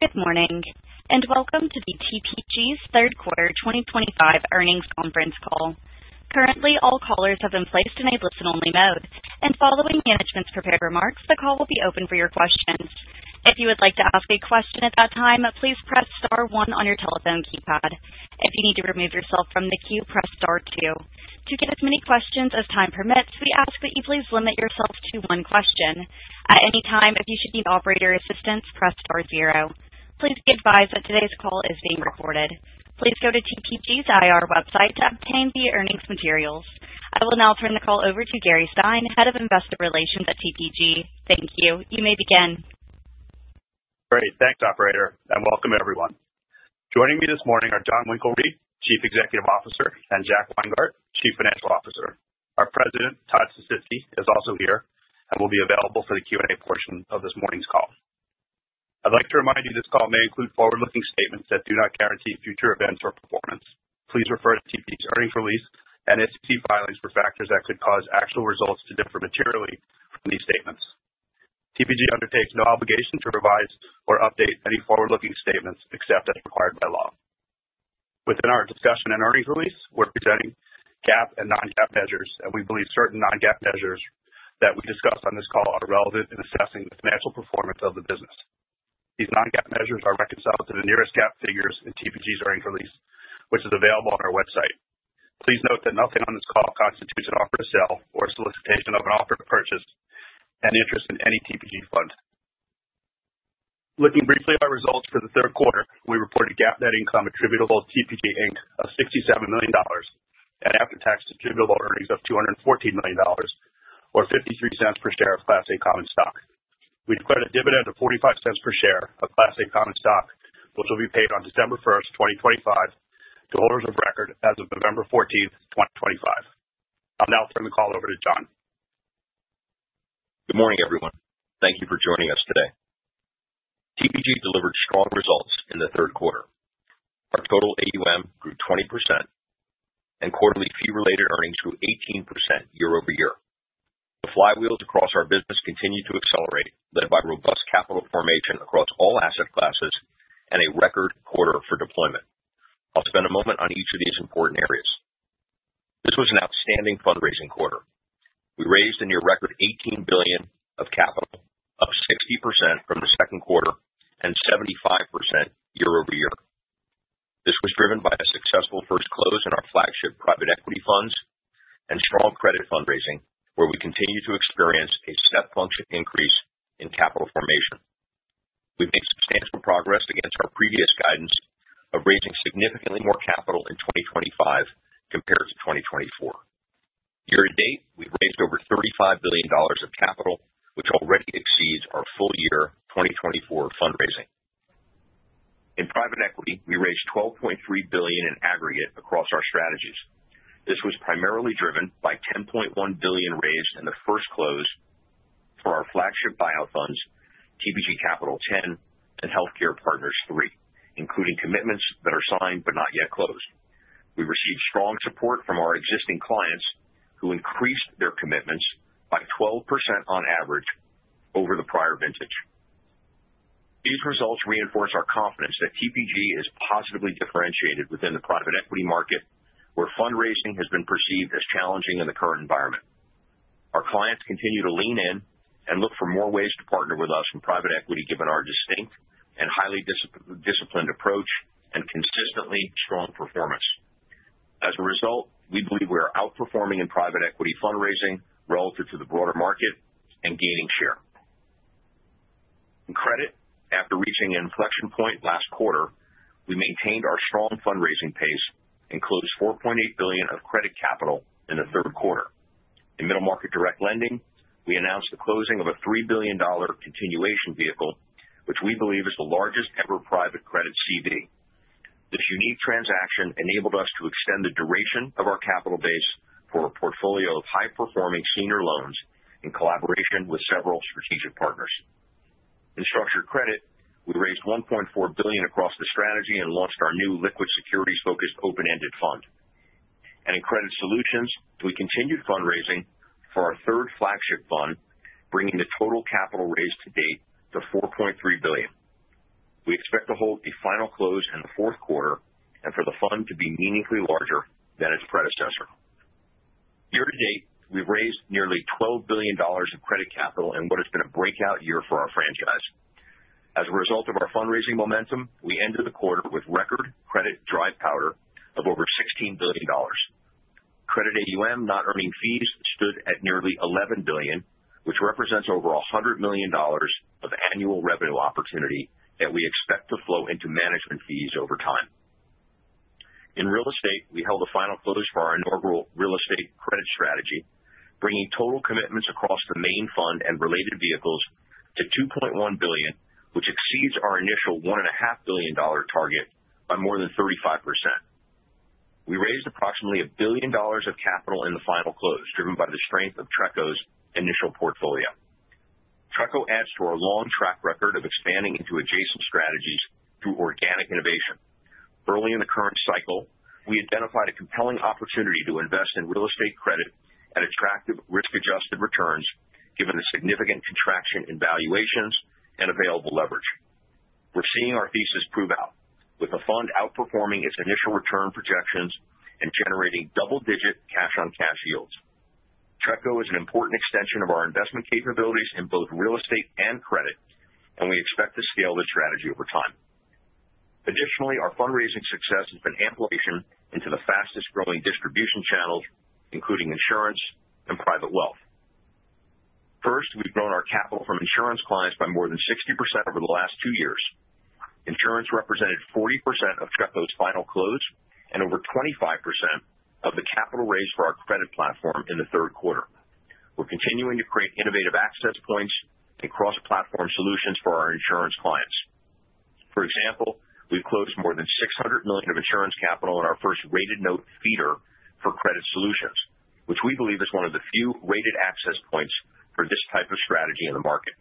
Good morning and welcome to the TPG's Third Quarter 2025 Earnings Conference Call. Currently, all callers have been placed in a listen-only mode, and following management's prepared remarks, the call will be open for your questions. If you would like to ask a question at that time, please press star one on your telephone keypad. If you need to remove yourself from the queue, press star two. To get as many questions as time permits, we ask that you please limit yourself to one question. At any time, if you should need operator assistance, press star zero. Please be advised that today's call is being recorded. Please go to TPG's IR website to obtain the earnings materials. I will now turn the call over to Gary Stein, head of investor relations at TPG. Thank you. You may begin. Great. Thanks, operator, and welcome everyone. Joining me this morning are Jon Winkelried, Chief Executive Officer, and Jack Weingart, Chief Financial Officer. Our president, Todd Sisitsky, is also here and will be available for the Q&A portion of this morning's call. I'd like to remind you this call may include forward-looking statements that do not guarantee future events or performance. Please refer to TPG's earnings release and SEC filings for factors that could cause actual results to differ materially from these statements. TPG undertakes no obligation to revise or update any forward-looking statements except as required by law. Within our discussion and earnings release, we're presenting GAAP and non-GAAP measures, and we believe certain non-GAAP measures that we discuss on this call are relevant in assessing the financial performance of the business. These non-GAAP measures are reconciled to the nearest GAAP figures in TPG's earnings release, which is available on our website. Please note that nothing on this call constitutes an offer to sell or a solicitation of an offer to purchase an interest in any TPG fund. Looking briefly at our results for the third quarter, we reported GAAP net income attributable to TPG Inc. of $67 million and after-tax attributable earnings of $214 million or $0.53 per share of Class A Common Stock. We declared a dividend of $0.45 per share of Class A Common Stock, which will be paid on December 1st, 2025, to holders of record as of November 14th, 2025. I'll now turn the call over to Jon. Good morning, everyone. Thank you for joining us today. TPG delivered strong results in the third quarter. Our total AUM grew 20%, and quarterly fee-related earnings grew 18% year over year. The flywheels across our business continue to accelerate, led by robust capital formation across all asset classes and a record quarter for deployment. I'll spend a moment on each of these important areas. This was an outstanding fundraising quarter. We raised a near-record $18 billion of capital, up 60% from the second quarter and 75% year over year. This was driven by a successful first close in our flagship private equity funds and strong credit fundraising, where we continue to experience a step function increase in capital formation. We've made substantial progress against our previous guidance of raising significantly more capital in 2025 compared to 2024. Year to date, we've raised over $35 billion of capital, which already exceeds our full year 2024 fundraising. In private equity, we raised $12.3 billion in aggregate across our strategies. This was primarily driven by $10.1 billion raised in the first close for our flagship buyout funds, TPG Capital X, and Healthcare Partners III, including commitments that are signed but not yet closed. We received strong support from our existing clients, who increased their commitments by 12% on average over the prior vintage. These results reinforce our confidence that TPG is positively differentiated within the private equity market, where fundraising has been perceived as challenging in the current environment. Our clients continue to lean in and look for more ways to partner with us in private equity, given our distinct and highly disciplined approach and consistently strong performance. As a result, we believe we are outperforming in private equity fundraising relative to the broader market and gaining share. In credit, after reaching an inflection point last quarter, we maintained our strong fundraising pace and closed $4.8 billion of credit capital in the third quarter. In Middle Market Direct Lending, we announced the closing of a $3 billion continuation vehicle, which we believe is the largest ever private credit CV. This unique transaction enabled us to extend the duration of our capital base for a portfolio of high-performing senior loans in collaboration with several strategic partners. In Structured Credit, we raised $1.4 billion across the strategy and launched our new liquid securities-focused open-ended fund. And in Credit Solutions, we continued fundraising for our third flagship fund, bringing the total capital raised to date to $4.3 billion. We expect to hold the final close in the fourth quarter and for the fund to be meaningfully larger than its predecessor. Year to date, we've raised nearly $12 billion of credit capital in what has been a breakout year for our franchise. As a result of our fundraising momentum, we ended the quarter with record credit dry powder of over $16 billion. Credit AUM not earning fees stood at nearly $11 billion, which represents over $100 million of annual revenue opportunity that we expect to flow into management fees over time. In real estate, we held a final close for our inaugural real estate credit strategy, bringing total commitments across the main fund and related vehicles to $2.1 billion, which exceeds our initial $1.5 billion target by more than 35%. We raised approximately $1 billion of capital in the final close, driven by the strength of TRECO's initial portfolio. TRECO adds to our long track record of expanding into adjacent strategies through organic innovation. Early in the current cycle, we identified a compelling opportunity to invest in real estate credit at attractive risk-adjusted returns, given the significant contraction in valuations and available leverage. We're seeing our thesis prove out, with the fund outperforming its initial return projections and generating double-digit cash-on-cash yields. TRECO is an important extension of our investment capabilities in both real estate and credit, and we expect to scale the strategy over time. Additionally, our fundraising success has been amalgamation into the fastest-growing distribution channels, including insurance and private wealth. First, we've grown our capital from insurance clients by more than 60% over the last two years. Insurance represented 40% of TRECO's final close and over 25% of the capital raised for our credit platform in the third quarter. We're continuing to create innovative access points and cross-platform solutions for our insurance clients. For example, we've closed more than $600 million of insurance capital in our first rated note feeder for Credit Solutions, which we believe is one of the few rated access points for this type of strategy in the market.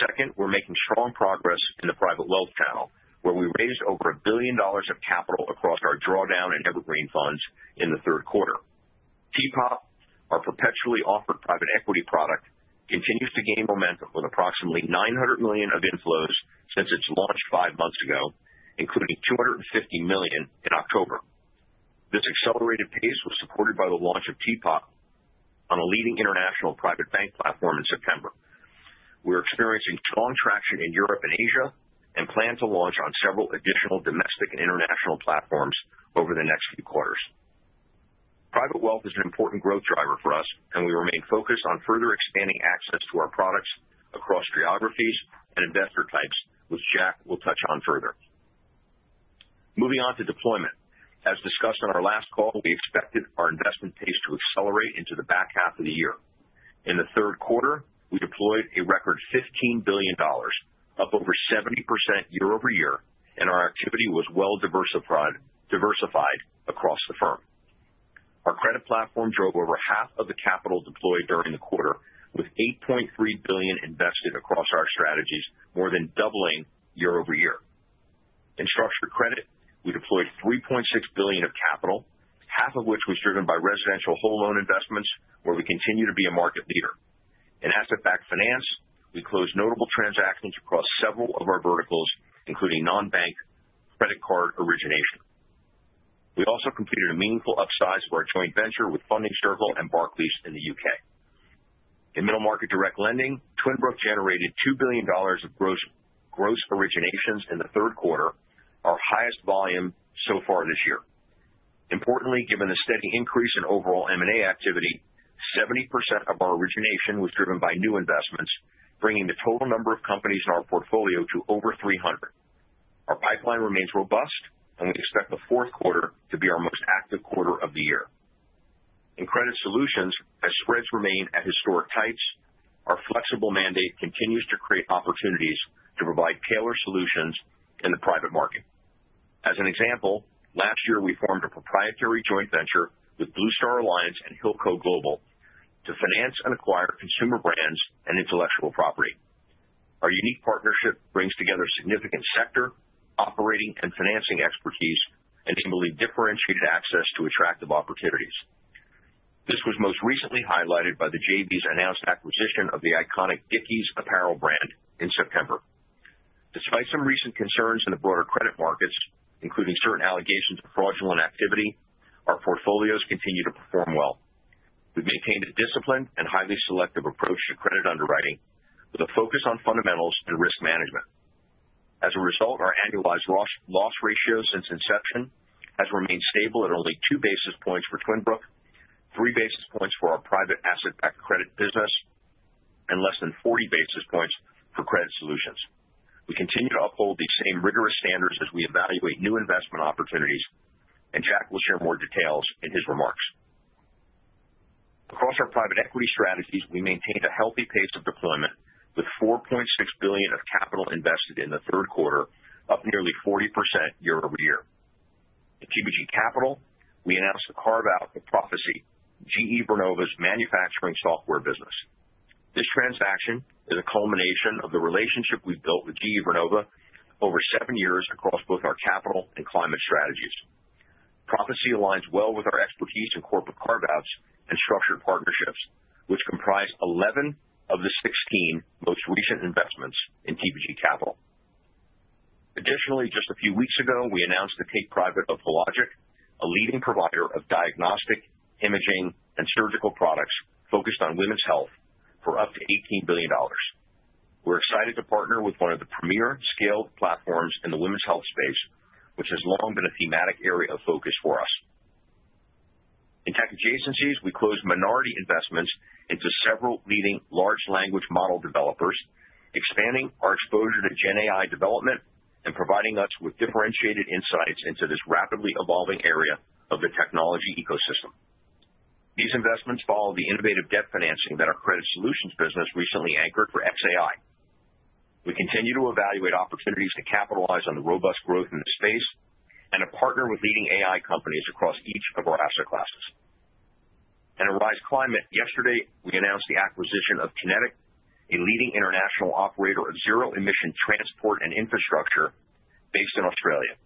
Second, we're making strong progress in the private wealth channel, where we raised over $1 billion of capital across our drawdown and evergreen funds in the third quarter. TPOP, our perpetually offered private equity product, continues to gain momentum with approximately $900 million of inflows since its launch five months ago, including $250 million in October. This accelerated pace was supported by the launch of TPOP on a leading international private bank platform in September. We're experiencing strong traction in Europe and Asia and plan to launch on several additional domestic and international platforms over the next few quarters. Private wealth is an important growth driver for us, and we remain focused on further expanding access to our products across geographies and investor types, which Jack will touch on further. Moving on to deployment. As discussed on our last call, we expected our investment pace to accelerate into the back half of the year. In the third quarter, we deployed a record $15 billion, up over 70% year over year, and our activity was well diversified across the firm. Our credit platform drove over half of the capital deployed during the quarter, with $8.3 billion invested across our strategies, more than doubling year over year. In Structured Credit, we deployed $3.6 billion of capital, half of which was driven by residential whole loan investments, where we continue to be a market leader. In asset-backed finance, we closed notable transactions across several of our verticals, including non-bank credit card origination. We also completed a meaningful upsize of our joint venture with Funding Circle and Barclays in the UK. In Middle Market Direct Lending, Twin Brook generated $2 billion of gross originations in the third quarter, our highest volume so far this year. Importantly, given the steady increase in overall M&A activity, 70% of our origination was driven by new investments, bringing the total number of companies in our portfolio to over 300. Our pipeline remains robust, and we expect the fourth quarter to be our most active quarter of the year. In Credit Solutions, as spreads remain at historic heights, our flexible mandate continues to create opportunities to provide tailored solutions in the private market. As an example, last year we formed a proprietary joint venture with BlueStar Alliance and Hilco Global to finance and acquire consumer brands and intellectual property. Our unique partnership brings together significant sector, operating, and financing expertise, enabling differentiated access to attractive opportunities. This was most recently highlighted by the JV's announced acquisition of the iconic Dickies apparel brand in September. Despite some recent concerns in the broader credit markets, including certain allegations of fraudulent activity, our portfolios continue to perform well. We've maintained a disciplined and highly selective approach to credit underwriting, with a focus on fundamentals and risk management. As a result, our annualized loss ratio since inception has remained stable at only two basis points for Twin Brook, three basis points for our private asset-backed credit business, and less than 40 basis points for Credit Solutions. We continue to uphold these same rigorous standards as we evaluate new investment opportunities, and Jack will share more details in his remarks. Across our private equity strategies, we maintained a healthy pace of deployment, with $4.6 billion of capital invested in the third quarter, up nearly 40% year over year. At TPG Capital, we announced the carve-out of Proficy, GE Vernova's manufacturing software business. This transaction is a culmination of the relationship we've built with GE Vernova over seven years across both our capital and climate strategies. Proficy aligns well with our expertise in corporate carve-outs and structured partnerships, which comprise 11 of the 16 most recent investments in TPG Capital. Additionally, just a few weeks ago, we announced the take-private of Hologic, a leading provider of diagnostic, imaging, and surgical products focused on women's health, for up to $18 billion. We're excited to partner with one of the premier scaled platforms in the women's health space, which has long been a thematic area of focus for us. In Tech Adjacencies, we closed minority investments into several leading large language model developers, expanding our exposure to GenAI development and providing us with differentiated insights into this rapidly evolving area of the technology ecosystem. These investments follow the innovative debt financing that our Credit Solutions business recently anchored for xAI. We continue to evaluate opportunities to capitalize on the robust growth in the space and to partner with leading AI companies across each of our asset classes. In TPG Rise Climate, yesterday we announced the acquisition of Kinetic, a leading international operator of zero-emission transport and infrastructure based in Australia.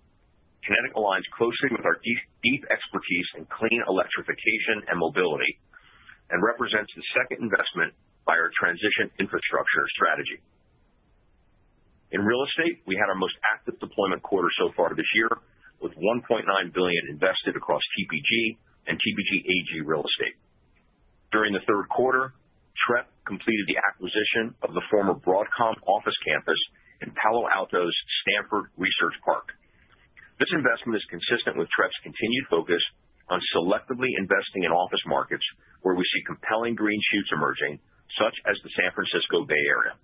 Kinetic aligns closely with our deep expertise in clean electrification and mobility and represents the second investment by our Transition Infrastructure strategy. In real estate, we had our most active deployment quarter so far this year, with $1.9 billion invested across TPG and TPG AG real estate. During the third quarter, TREP completed the acquisition of the former Broadcom office campus in Palo Alto's Stanford Research Park. This investment is consistent with TREP's continued focus on selectively investing in office markets where we see compelling green shoots emerging, such as the San Francisco Bay Area.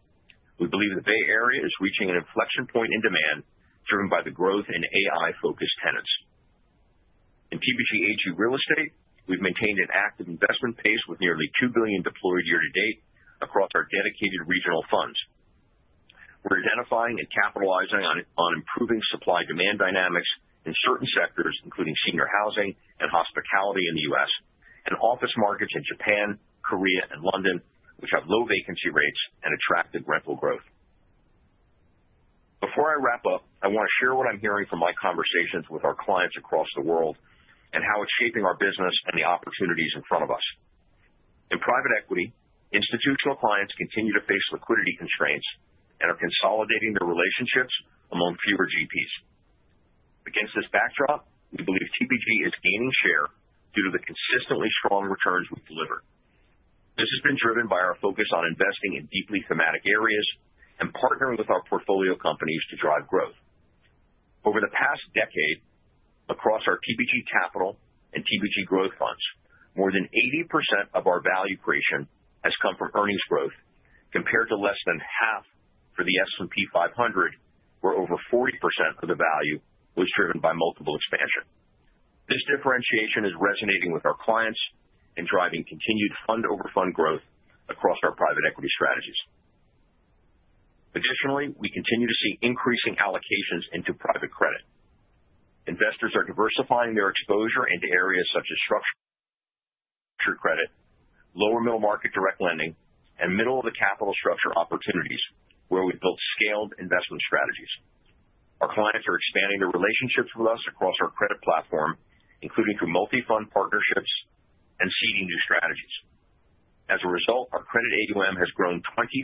We believe the Bay Area is reaching an inflection point in demand, driven by the growth in AI-focused tenants. In TPG AG real estate, we've maintained an active investment pace with nearly $2 billion deployed year to date across our dedicated regional funds. We're identifying and capitalizing on improving supply-demand dynamics in certain sectors, including senior housing and hospitality in the U.S., and office markets in Japan, Korea, and London, which have low vacancy rates and attractive rental growth. Before I wrap up, I want to share what I'm hearing from my conversations with our clients across the world and how it's shaping our business and the opportunities in front of us. In private equity, institutional clients continue to face liquidity constraints and are consolidating their relationships among fewer GPs. Against this backdrop, we believe TPG is gaining share due to the consistently strong returns we've delivered. This has been driven by our focus on investing in deeply thematic areas and partnering with our portfolio companies to drive growth. Over the past decade, across our TPG Capital and TPG Growth funds, more than 80% of our value creation has come from earnings growth, compared to less than half for the S&P 500, where over 40% of the value was driven by multiple expansion. This differentiation is resonating with our clients and driving continued fund-over-fund growth across our private equity strategies. Additionally, we continue to see increasing allocations into private credit. Investors are diversifying their exposure into areas such as Structured Credit, lower middle market direct lending, and middle-of-the-capital structure opportunities, where we've built scaled investment strategies. Our clients are expanding their relationships with us across our credit platform, including through multi-fund partnerships and seeding new strategies. As a result, our credit AUM has grown 23%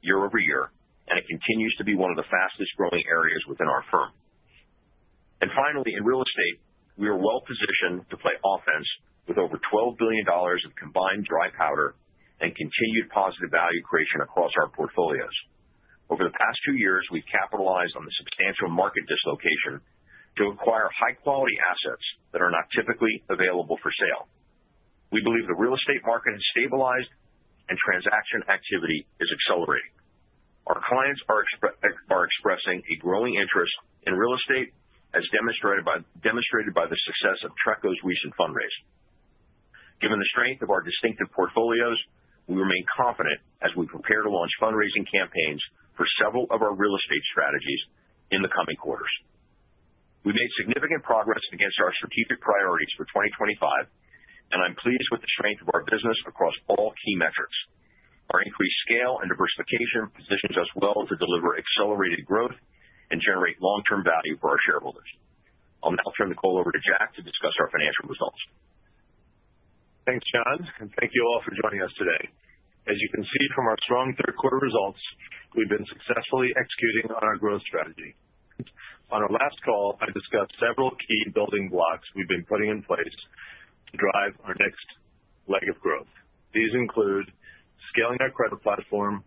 year over year, and it continues to be one of the fastest-growing areas within our firm. Finally, in real estate, we are well-positioned to play offense with over $12 billion of combined dry powder and continued positive value creation across our portfolios. Over the past two years, we've capitalized on the substantial market dislocation to acquire high-quality assets that are not typically available for sale. We believe the real estate market has stabilized, and transaction activity is accelerating. Our clients are expressing a growing interest in real estate, as demonstrated by the success of TRECO's recent fundraising. Given the strength of our distinctive portfolios, we remain confident as we prepare to launch fundraising campaigns for several of our real estate strategies in the coming quarters. We've made significant progress against our strategic priorities for 2025, and I'm pleased with the strength of our business across all key metrics. Our increased scale and diversification positions us well to deliver accelerated growth and generate long-term value for our shareholders. I'll now turn the call over to Jack to discuss our financial results. Thanks, Jon, and thank you all for joining us today. As you can see from our strong third-quarter results, we've been successfully executing on our growth strategy. On our last call, I discussed several key building blocks we've been putting in place to drive our next leg of growth. These include scaling our credit platform,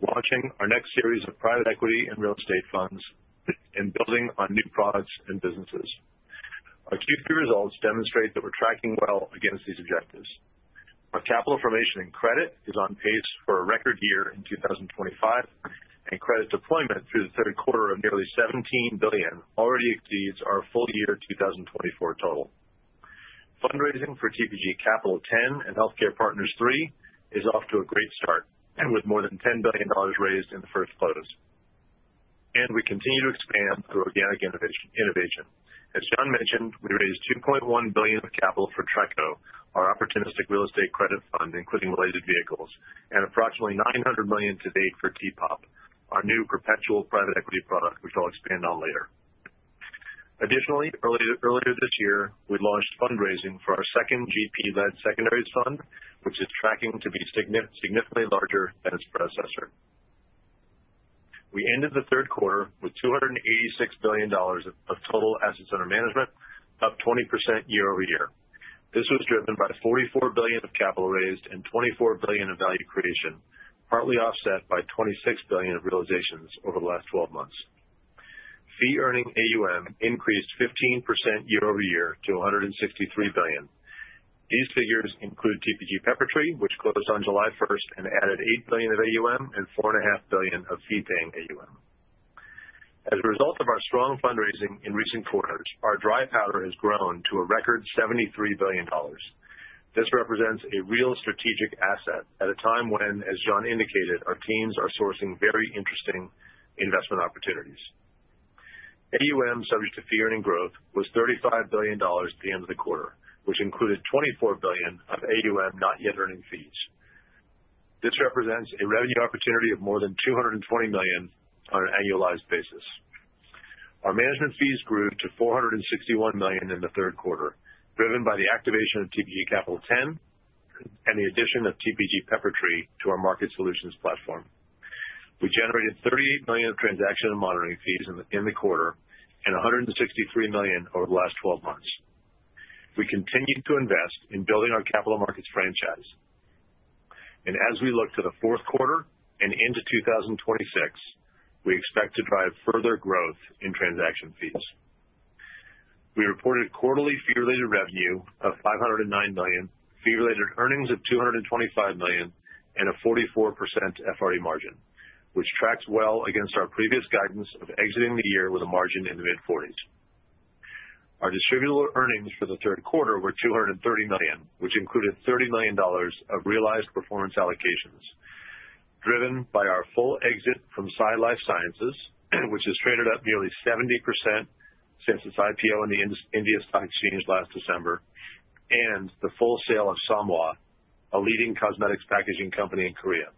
launching our next series of private equity and real estate funds, and building on new products and businesses. Our Q3 results demonstrate that we're tracking well against these objectives. Our capital formation in credit is on pace for a record year in 2025, and credit deployment through the third quarter of nearly $17 billion already exceeds our full year 2024 total. Fundraising for TPG Capital X and Healthcare Partners III is off to a great start, with more than $10 billion raised in the first close, and we continue to expand through organic innovation. As Jon mentioned, we raised $2.1 billion of capital for TRECO, our opportunistic real estate credit fund, including related vehicles, and approximately $900 million to date for TPOP, our new perpetual private equity product, which I'll expand on later. Additionally, earlier this year, we launched fundraising for our second GP-led secondaries fund, which is tracking to be significantly larger than its predecessor. We ended the third quarter with $286 billion of total assets under management, up 20% year over year. This was driven by $44 billion of capital raised and $24 billion of value creation, partly offset by $26 billion of realizations over the last 12 months. Fee-earning AUM increased 15% year over year to $163 billion. These figures include TPG Peppertree, which closed on July 1st and added $8 billion of AUM and $4.5 billion of fee-paying AUM. As a result of our strong fundraising in recent quarters, our dry powder has grown to a record $73 billion. This represents a real strategic asset at a time when, as Jon indicated, our teams are sourcing very interesting investment opportunities. AUM subject to fee-earning growth was $35 billion at the end of the quarter, which included $24 billion of AUM not yet earning fees. This represents a revenue opportunity of more than $220 million on an annualized basis. Our management fees grew to $461 million in the third quarter, driven by the activation of TPG Capital X and the addition of TPG Peppertree to our market solutions platform. We generated $38 million of transaction and monitoring fees in the quarter and $163 million over the last 12 months. We continue to invest in building our capital markets franchise. As we look to the fourth quarter and into 2026, we expect to drive further growth in transaction fees. We reported quarterly fee-related revenue of $509 million, fee-related earnings of $225 million, and a 44% FRE margin, which tracks well against our previous guidance of exiting the year with a margin in the mid-40s. Our distributor earnings for the third quarter were $230 million, which included $30 million of realized performance allocations, driven by our full exit from Sai Life Sciences, which has traded up nearly 70% since its IPO in the Indian Stock Exchange last December, and the full sale of Samhwa, a leading cosmetics packaging company in Korea.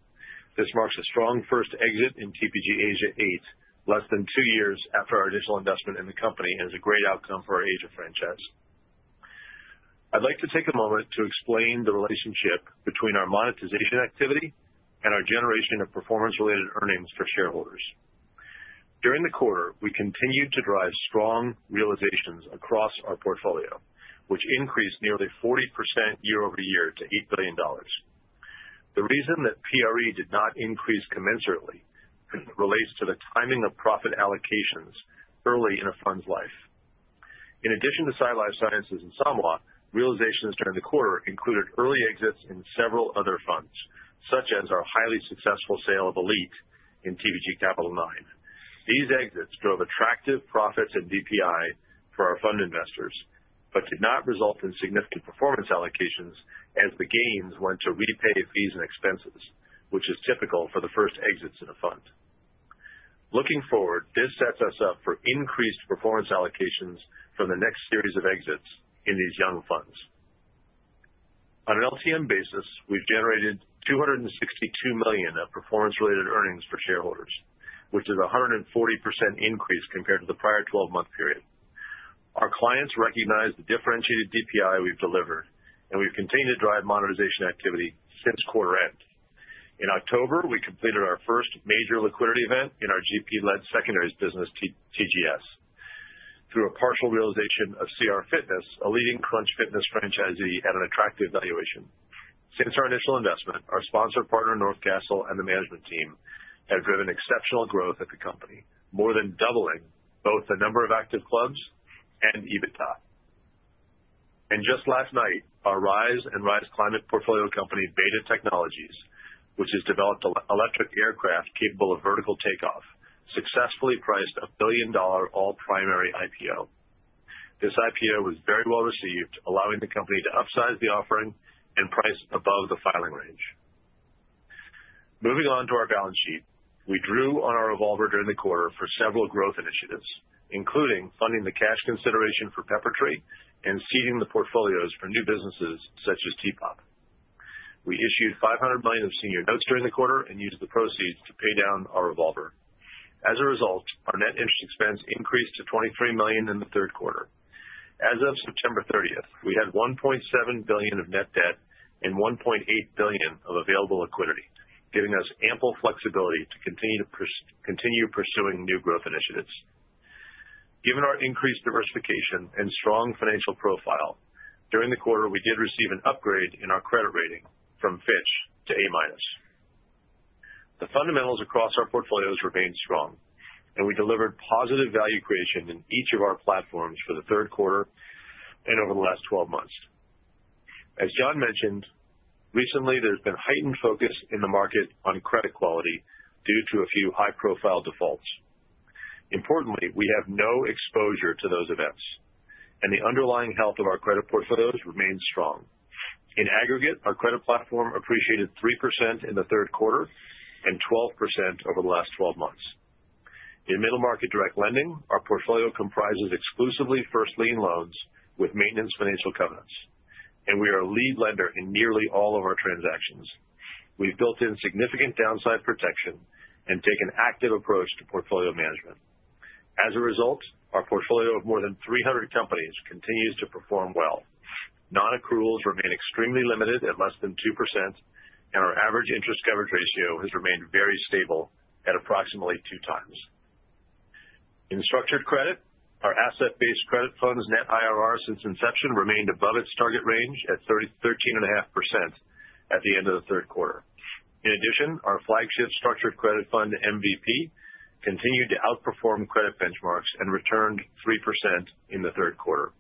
This marks a strong first exit in TPG Asia VIII, less than two years after our initial investment in the company, and is a great outcome for our Asia franchise. I'd like to take a moment to explain the relationship between our monetization activity and our generation of performance-related earnings for shareholders. During the quarter, we continued to drive strong realizations across our portfolio, which increased nearly 40% year over year to $8 billion. The reason that PRE did not increase commensurately relates to the timing of profit allocations early in a fund's life. In addition to Sai Life Sciences and Samhwa, realizations during the quarter included early exits in several other funds, such as our highly successful sale of Elite in TPG Capital IX. These exits drove attractive profits and DPI for our fund investors but did not result in significant performance allocations, as the gains went to repay fees and expenses, which is typical for the first exits in a fund. Looking forward, this sets us up for increased performance allocations from the next series of exits in these young funds. On an LTM basis, we've generated $262 million of performance-related earnings for shareholders, which is a 140% increase compared to the prior 12-month period. Our clients recognize the differentiated DPI we've delivered, and we've continued to drive monetization activity since quarter end. In October, we completed our first major liquidity event in our GP-led secondaries business, TGS, through a partial realization of CR Fitness, a leading Crunch Fitness franchisee at an attractive valuation. Since our initial investment, our sponsor partner, North Castle, and the management team have driven exceptional growth at the company, more than doubling both the number of active clubs and EBITDA. Just last night, our Rise Climate portfolio company, Beta Technologies, which has developed an electric aircraft capable of vertical takeoff, successfully priced a $1 billion all-primary IPO. This IPO was very well received, allowing the company to upsize the offering and price above the filing range. Moving on to our balance sheet, we drew on our revolver during the quarter for several growth initiatives, including funding the cash consideration for Peppertree and seeding the portfolios for new businesses such as TPOP. We issued $500 million of senior notes during the quarter and used the proceeds to pay down our revolver. As a result, our net interest expense increased to $23 million in the third quarter. As of September 30th, we had $1.7 billion of net debt and $1.8 billion of available liquidity, giving us ample flexibility to continue pursuing new growth initiatives. Given our increased diversification and strong financial profile, during the quarter, we did receive an upgrade in our credit rating from Fitch to A-. The fundamentals across our portfolios remained strong, and we delivered positive value creation in each of our platforms for the third quarter and over the last 12 months. As Jon mentioned, recently, there's been heightened focus in the market on credit quality due to a few high-profile defaults. Importantly, we have no exposure to those events, and the underlying health of our credit portfolios remains strong. In aggregate, our credit platform appreciated 3% in the third quarter and 12% over the last 12 months. In Middle Market Direct Lending, our portfolio comprises exclusively first lien loans with maintenance financial covenants, and we are a lead lender in nearly all of our transactions. We've built in significant downside protection and taken an active approach to portfolio management. As a result, our portfolio of more than 300 companies continues to perform well. Non-accruals remain extremely limited at less than 2%, and our average interest coverage ratio has remained very stable at approximately two times. In Structured Credit, our asset-based credit fund's net IRR since inception remained above its target range at 13.5% at the end of the third quarter. In addition, our flagship Structured Credit fund, MVP, continued to outperform credit benchmarks and returned 3% in the third quarter.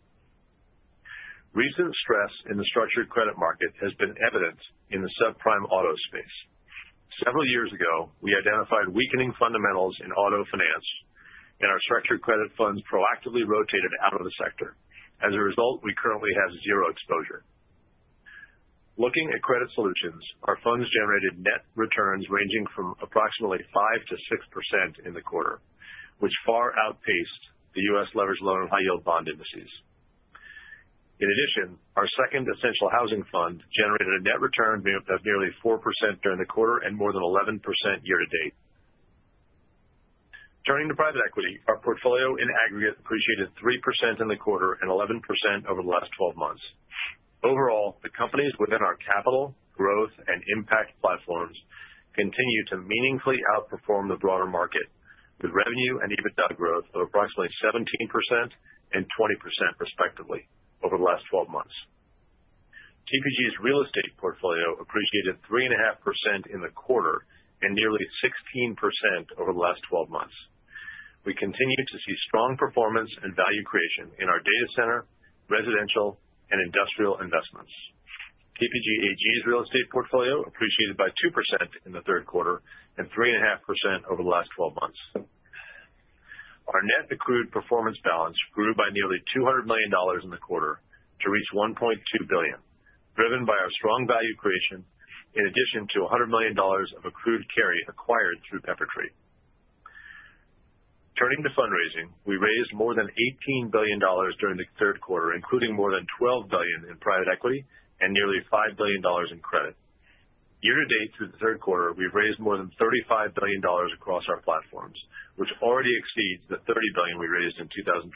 Recent stress in the Structured Credit market has been evident in the subprime auto space. Several years ago, we identified weakening fundamentals in auto finance, and our Structured Credit funds proactively rotated out of the sector. As a result, we currently have zero exposure. Looking at Credit Solutions, our funds generated net returns ranging from approximately 5% to 6% in the quarter, which far outpaced the U.S. Leveraged loan and high-yield bond indices. In addition, our second essential housing fund generated a net return of nearly 4% during the quarter and more than 11% year to date. Turning to private equity, our portfolio in aggregate appreciated 3% in the quarter and 11% over the last 12 months. Overall, the companies within our Capital, Growth, and Impact platforms continue to meaningfully outperform the broader market, with revenue and EBITDA growth of approximately 17% and 20% respectively over the last 12 months. TPG's real estate portfolio appreciated 3.5% in the quarter and nearly 16% over the last 12 months. We continue to see strong performance and value creation in our data center, residential, and industrial investments. TPG AG's real estate portfolio appreciated by 2% in the third quarter and 3.5% over the last 12 months. Our net accrued performance balance grew by nearly $200 million in the quarter to reach $1.2 billion, driven by our strong value creation, in addition to $100 million of accrued carry acquired through Peppertree. Turning to fundraising, we raised more than $18 billion during the third quarter, including more than $12 billion in private equity and nearly $5 billion in credit. Year to date, through the third quarter, we've raised more than $35 billion across our platforms, which already exceeds the $30 billion we raised in 2024.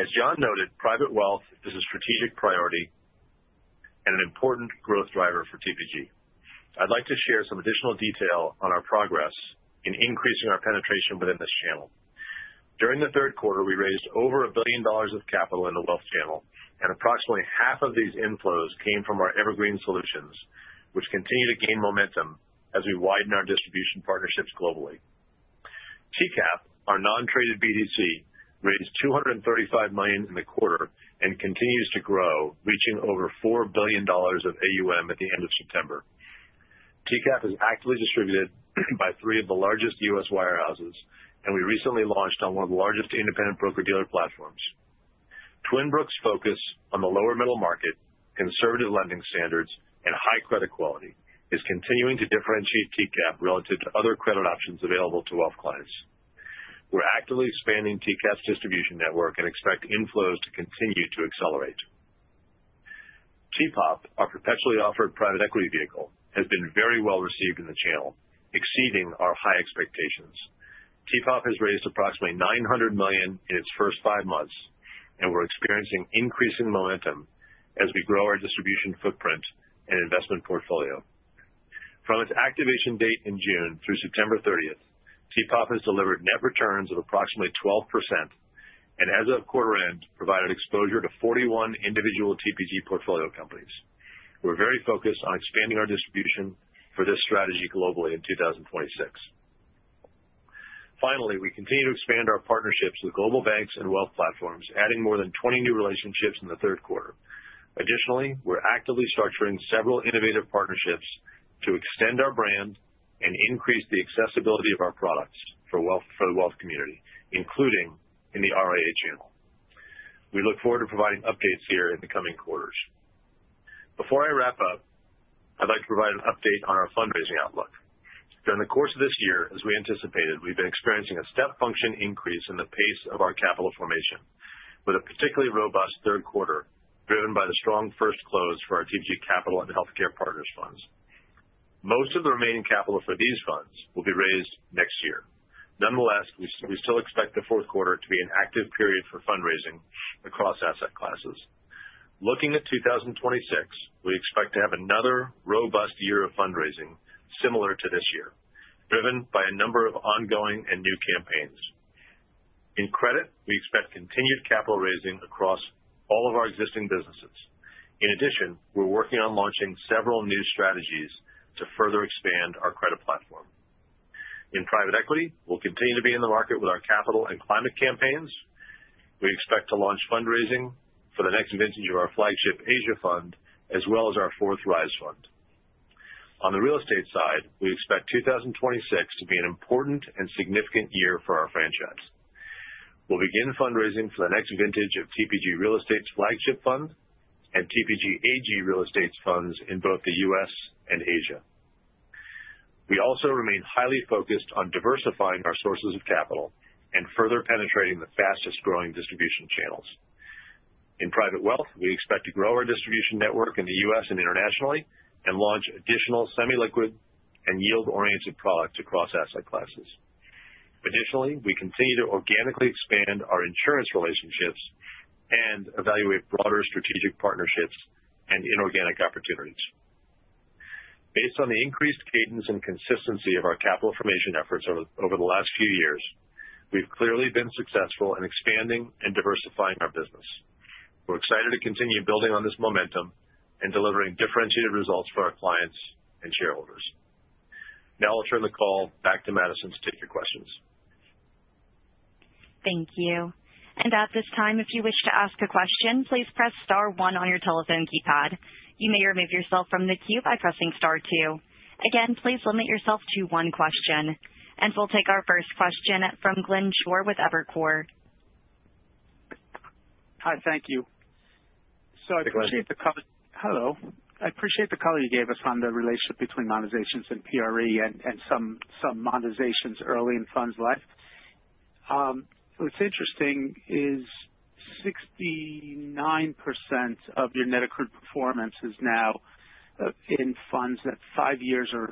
As Jon noted, private wealth is a strategic priority and an important growth driver for TPG. I'd like to share some additional detail on our progress in increasing our penetration within this channel. During the third quarter, we raised over $1 billion of capital in the wealth channel, and approximately half of these inflows came from our evergreen solutions, which continue to gain momentum as we widen our distribution partnerships globally. TCAP, our non-traded BDC, raised $235 million in the quarter and continues to grow, reaching over $4 billion of AUM at the end of September. TCAP is actively distributed by three of the largest U.S. wirehouses, and we recently launched on one of the largest independent broker-dealer platforms. Twin Brook's focus on the lower-middle market, conservative lending standards, and high credit quality is continuing to differentiate TCAP relative to other credit options available to wealth clients. We're actively expanding TCAP's distribution network and expect inflows to continue to accelerate. TPOP, our perpetually offered private equity vehicle, has been very well received in the channel, exceeding our high expectations. TPOP has raised approximately $900 million in its first five months, and we're experiencing increasing momentum as we grow our distribution footprint and investment portfolio. From its activation date in June through September 30th, TPOP has delivered net returns of approximately 12% and, as of quarter end, provided exposure to 41 individual TPG portfolio companies. We're very focused on expanding our distribution for this strategy globally in 2026. Finally, we continue to expand our partnerships with global banks and wealth platforms, adding more than 20 new relationships in the third quarter. Additionally, we're actively structuring several innovative partnerships to extend our brand and increase the accessibility of our products for the wealth community, including in the RIA channel. We look forward to providing updates here in the coming quarters. Before I wrap up, I'd like to provide an update on our fundraising outlook. During the course of this year, as we anticipated, we've been experiencing a step function increase in the pace of our capital formation, with a particularly robust third quarter driven by the strong first close for our TPG Capital and Healthcare Partners funds. Most of the remaining capital for these funds will be raised next year. Nonetheless, we still expect the fourth quarter to be an active period for fundraising across asset classes. Looking at 2026, we expect to have another robust year of fundraising similar to this year, driven by a number of ongoing and new campaigns. In credit, we expect continued capital raising across all of our existing businesses. In addition, we're working on launching several new strategies to further expand our credit platform. In private equity, we'll continue to be in the market with our capital and climate campaigns. We expect to launch fundraising for the next vintage of our flagship Asia fund, as well as our fourth Rise fund. On the real estate side, we expect 2026 to be an important and significant year for our franchise. We'll begin fundraising for the next vintage of TPG Real Estate's flagship fund and TPG AG Real Estate's funds in both the U.S. and Asia. We also remain highly focused on diversifying our sources of capital and further penetrating the fastest-growing distribution channels. In private wealth, we expect to grow our distribution network in the U.S. and internationally and launch additional semi-liquid and yield-oriented products across asset classes. Additionally, we continue to organically expand our insurance relationships and evaluate broader strategic partnerships and inorganic opportunities. Based on the increased cadence and consistency of our capital formation efforts over the last few years, we've clearly been successful in expanding and diversifying our business. We're excited to continue building on this momentum and delivering differentiated results for our clients and shareholders. Now I'll turn the call back to Madison to take your questions. Thank you. And at this time, if you wish to ask a question, please press Star 1 on your telephone keypad. You may remove yourself from the queue by pressing Star 2. Again, please limit yourself to one question. And we'll take our first question from Glenn Schorr with Evercore. Hi, thank you. So I appreciate the call. I appreciate the call you gave us on the relationship between monetizations and PRE and some monetizations early in funds life. What's interesting is 69% of your net accrued performance is now in funds that five years or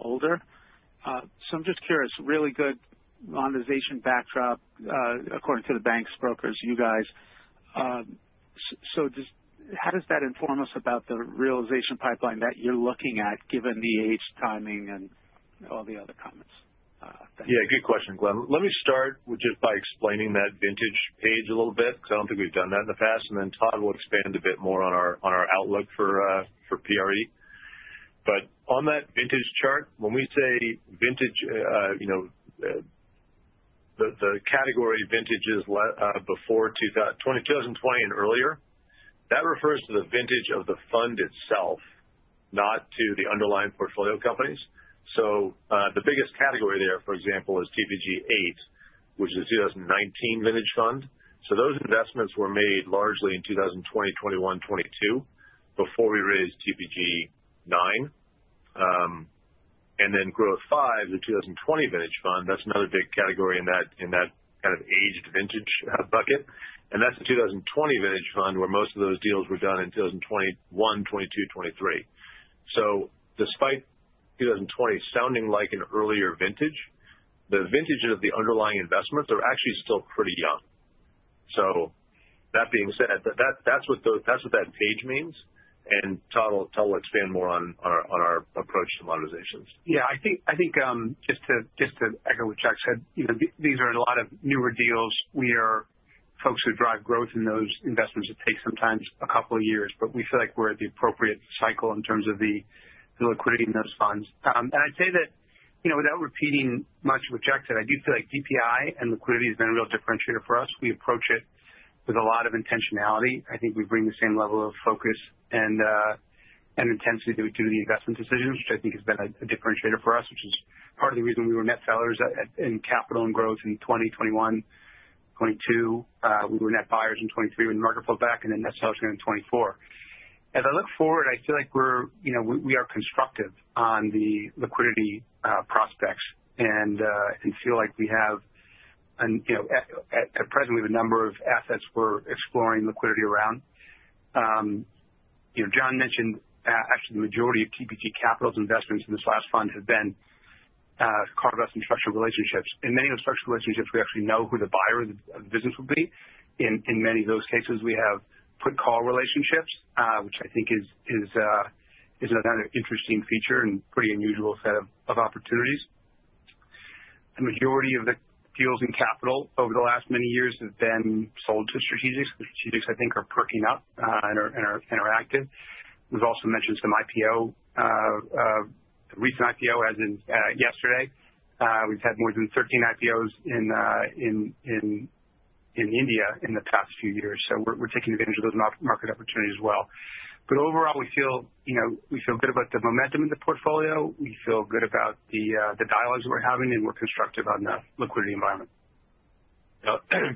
older. So I'm just curious, really good monetization backdrop according to the banks, brokers, you guys. So how does that inform us about the realization pipeline that you're looking at, given the age, timing, and all the other comments? Yeah, good question, Glenn. Let me start with just by explaining that vintage page a little bit, because I don't think we've done that in the past. And then Todd will expand a bit more on our outlook for PRE. But on that vintage chart, when we say vintage, the category vintage is before 2020 and earlier. That refers to the vintage of the fund itself, not to the underlying portfolio companies. So the biggest category there, for example, is TPG VIII, which is a 2019 vintage fund. So those investments were made largely in 2020, 2021, 2022 before we raised TPG IX. And then Growth V, the 2020 vintage fund, that's another big category in that kind of aged vintage bucket. And that's the 2020 vintage fund where most of those deals were done in 2021, 2022, 2023. So despite 2020 sounding like an earlier vintage, the vintage of the underlying investments are actually still pretty young. So that being said, that's what that page means. And Todd will expand more on our approach to monetizations. Yeah, I think just to echo what Jack said, these are a lot of newer deals. We are folks who drive growth in those investments that take sometimes a couple of years, but we feel like we're at the appropriate cycle in terms of the liquidity in those funds. I'd say that without repeating much what Jack said, I do feel like DPI and liquidity has been a real differentiator for us. We approach it with a lot of intentionality. I think we bring the same level of focus and intensity that we do the investment decisions, which I think has been a differentiator for us, which is part of the reason we were net sellers in capital and growth in 2020, 2021, 2022. We were net buyers in 2023 when the market pulled back, and then net sellers again in 2024. As I look forward, I feel like we are constructive on the liquidity prospects and feel like at present we have a number of assets we're exploring liquidity around. Jon mentioned actually the majority of TPG Capital's investments in this last fund have been carve-outs in structured relationships. In many of the structured relationships, we actually know who the buyer of the business will be. In many of those cases, we have put-call relationships, which I think is another interesting feature and pretty unusual set of opportunities. The majority of the deals in capital over the last many years have been sold to strategics. The strategics, I think, are perking up and are active. We've also mentioned some IPO, recent IPO as in yesterday. We've had more than 13 IPOs in India in the past few years. So we're taking advantage of those market opportunities as well. But overall, we feel good about the momentum in the portfolio. We feel good about the dialogues that we're having, and we're constructive on the liquidity environment.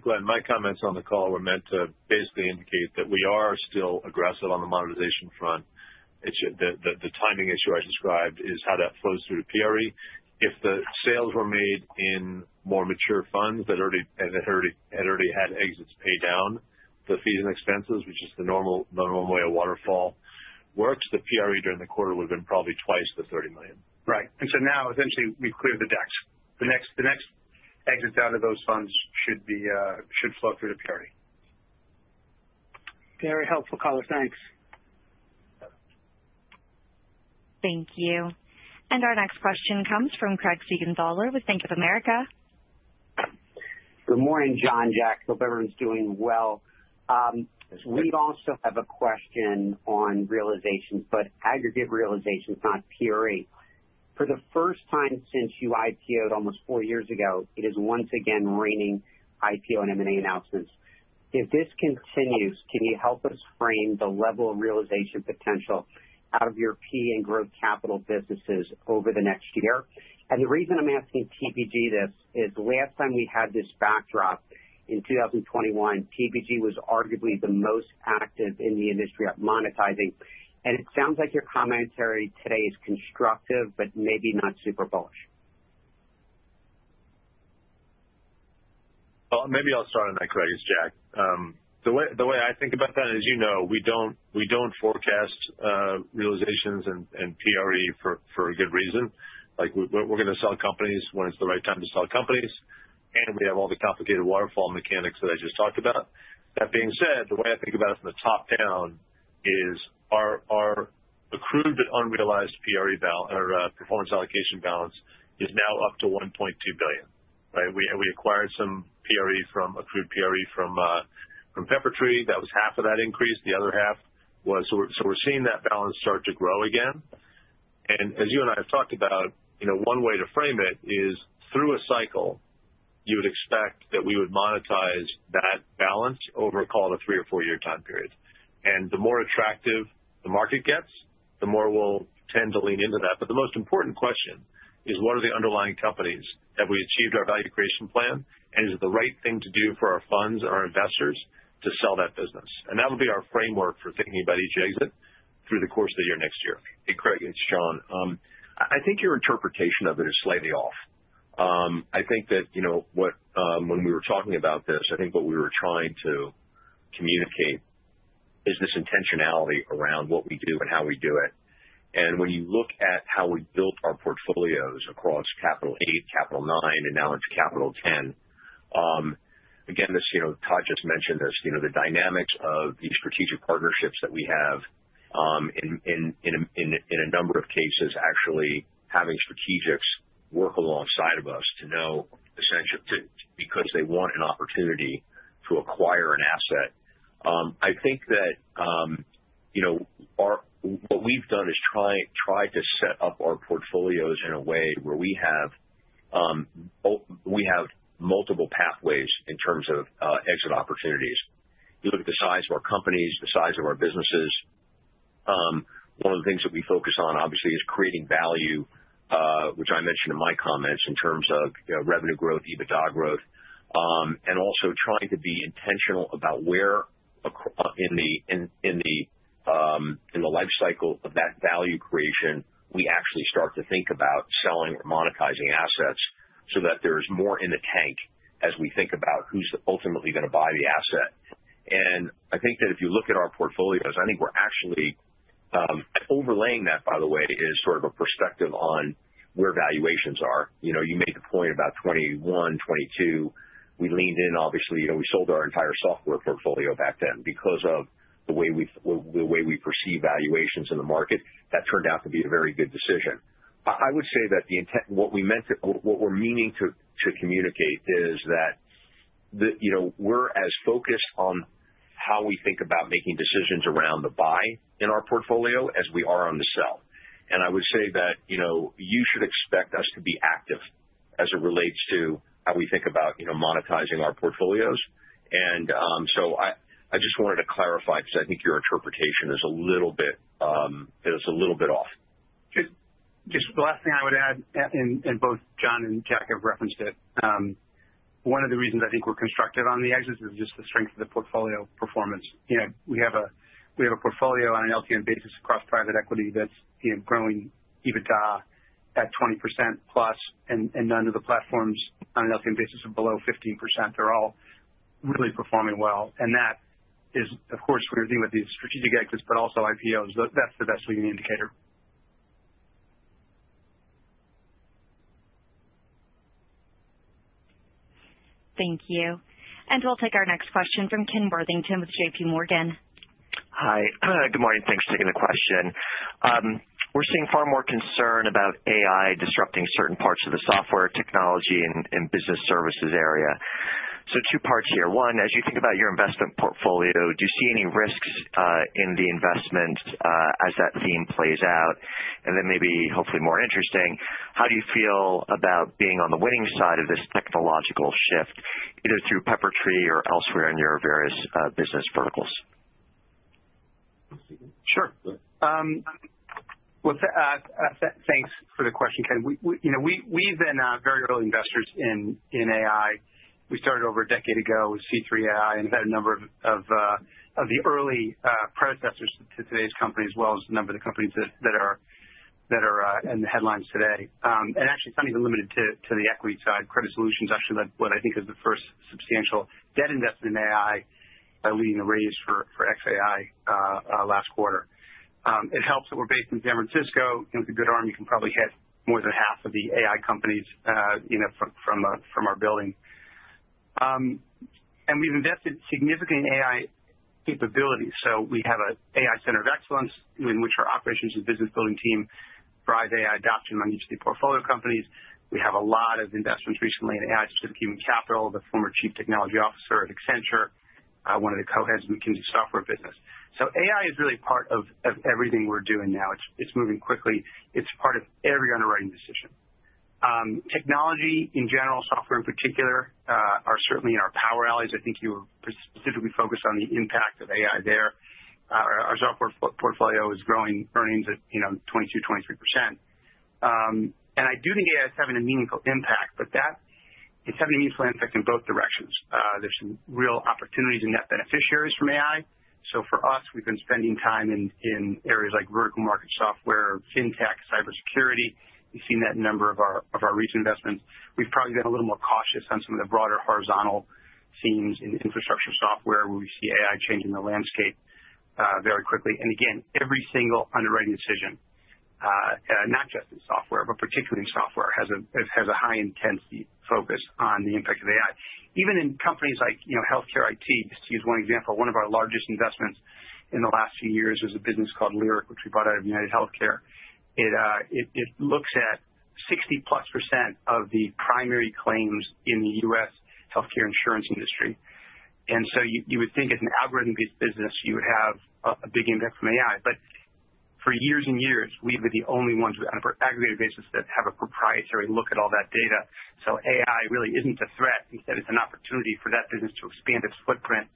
Glenn, my comments on the call were meant to basically indicate that we are still aggressive on the monetization front. The timing issue I described is how that flows through PRE. If the sales were made in more mature funds that had already had exits pay down the fees and expenses, which is the normal way a waterfall works, the PRE during the quarter would have been probably twice the $30 million. Right. And so now, essentially, we've cleared the decks. The next exits out of those funds should flow through the PRE. Very helpful, color. Thanks. Thank you. And our next question comes from Craig Siegenthaler with Bank of America. Good morning, Jon, Jack. Hope everyone's doing well. We also have a question on realizations, but aggregate realizations, not PRE. For the first time since you IPO'd almost four years ago, it is once again raining IPO and M&A announcements. If this continues, can you help us frame the level of realization potential out of your PE and growth capital businesses over the next year? And the reason I'm asking TPG this is last time we had this backdrop in 2021, TPG was arguably the most active in the industry at monetizing. And it sounds like your commentary today is constructive, but maybe not super bullish. Well, maybe I'll start on that, Craig. It's Jack. The way I think about that, as you know, we don't forecast realizations and PRE for a good reason. We're going to sell companies when it's the right time to sell companies, and we have all the complicated waterfall mechanics that I just talked about. That being said, the way I think about it from the top down is our accrued but unrealized PRE balance, our performance allocation balance, is now up to $1.2 billion. We acquired some PRE from accrued PRE from Peppertree. That was half of that increase. The other half was so we're seeing that balance start to grow again. As you and I have talked about, one way to frame it is through a cycle. You would expect that we would monetize that balance over, call it, a three- or four-year time period. The more attractive the market gets, the more we'll tend to lean into that. The most important question is, what are the underlying companies? Have we achieved our value creation plan? Is it the right thing to do for our funds and our investors to sell that business? That will be our framework for thinking about each exit through the course of the year next year. Hey, Craig, it's Jon. I think your interpretation of it is slightly off. I think that when we were talking about this, I think what we were trying to communicate is this intentionality around what we do and how we do it, and when you look at how we built our portfolios across Capital eight, Capital nine, and now into Capital 10, again, Todd just mentioned this, the dynamics of these strategic partnerships that we have in a number of cases, actually having strategics work alongside of us, you know, because they want an opportunity to acquire an asset. I think that what we've done is tried to set up our portfolios in a way where we have multiple pathways in terms of exit opportunities. You look at the size of our companies, the size of our businesses. One of the things that we focus on, obviously, is creating value, which I mentioned in my comments in terms of revenue growth, EBITDA growth, and also trying to be intentional about where in the life cycle of that value creation we actually start to think about selling or monetizing assets so that there is more in the tank as we think about who's ultimately going to buy the asset, and I think that if you look at our portfolios, I think we're actually overlaying that, by the way, is sort of a perspective on where valuations are. You made the point about 2021, 2022, we leaned in, obviously, we sold our entire software portfolio back then because of the way we perceive valuations in the market. That turned out to be a very good decision. I would say that what we're meaning to communicate is that we're as focused on how we think about making decisions around the buy in our portfolio as we are on the sell. I would say that you should expect us to be active as it relates to how we think about monetizing our portfolios. So I just wanted to clarify because I think your interpretation is a little bit off. Just the last thing I would add, and both Jon and Jack have referenced it. One of the reasons I think we're constructive on the exits is just the strength of the portfolio performance. We have a portfolio on an LTM basis across private equity that's growing EBITDA at 20%+, and none of the platforms on an LTM basis are below 15%. They're all really performing well. And that is, of course, when you're dealing with these strategic exits, but also IPOs, that's the best leading indicator. Thank you. And we'll take our next question from Ken Worthington with JPMorgan. Hi. Good morning. Thanks for taking the question. We're seeing far more concern about AI disrupting certain parts of the software technology and business services area. So two parts here. One, as you think about your investment portfolio, do you see any risks in the investment as that theme plays out? And then maybe, hopefully, more interesting, how do you feel about being on the winning side of this technological shift, either through Peppertree or elsewhere in your various business verticals? Sure. Well, thanks for the question, Ken. We've been very early investors in AI. We started over a decade ago with C3 AI and have had a number of the early predecessors to today's companies, as well as a number of the companies that are in the headlines today. Actually, it's not even limited to the equity side. Credit Solutions actually led what I think is the first substantial debt investment in AI, leading the raise for XAI last quarter. It helps that we're based in San Francisco. With a good arm, you can probably hit more than half of the AI companies from our building. We've invested significantly in AI capabilities. We have an AI center of excellence in which our operations and business building team drive AI adoption among each of the portfolio companies. We have a lot of investments recently in AI-specific human capital, the former chief technology officer at Accenture, one of the co-heads of McKinsey Software business. So AI is really part of everything we're doing now. It's moving quickly. It's part of every underwriting decision. Technology in general, software in particular, are certainly in our power alleys. I think you were specifically focused on the impact of AI there. Our software portfolio is growing earnings at 22%-23%. And I do think AI is having a meaningful impact, but it's having a meaningful impact in both directions. There's some real opportunities and net beneficiaries from AI. So for us, we've been spending time in areas like vertical market software, fintech, cybersecurity. We've seen that in a number of our recent investments. We've probably been a little more cautious on some of the broader horizontal themes in infrastructure software where we see AI changing the landscape very quickly. And again, every single underwriting decision, not just in software, but particularly in software, has a high-intensity focus on the impact of AI. Even in companies like healthcare IT, just to use one example, one of our largest investments in the last few years is a business called Lyric, which we bought out of UnitedHealthcare. It looks at 60+% of the primary claims in the U.S. healthcare insurance industry. And so you would think as an algorithm-based business, you would have a big impact from AI. But for years and years, we've been the only ones who on a aggregated basis that have a proprietary look at all that data. So AI really isn't a threat. Instead, it's an opportunity for that business to expand its footprint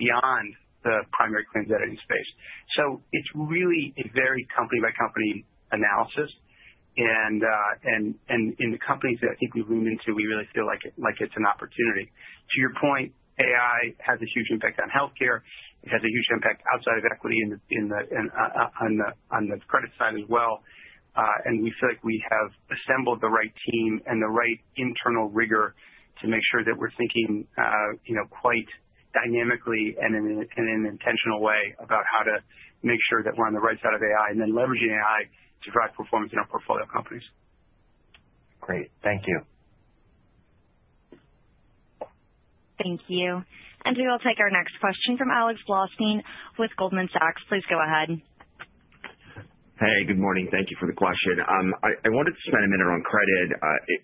beyond the primary claims editing space. So it's really a very company-by-company analysis. And in the companies that I think we lean into, we really feel like it's an opportunity. To your point, AI has a huge impact on healthcare. It has a huge impact outside of equity on the credit side as well. And we feel like we have assembled the right team and the right internal rigor to make sure that we're thinking quite dynamically and in an intentional way about how to make sure that we're on the right side of AI and then leveraging AI to drive performance in our portfolio companies. Great. Thank you. Thank you. And we will take our next question from Alex Blostein with Goldman Sachs. Please go ahead. Hey, good morning. Thank you for the question. I wanted to spend a minute on credit.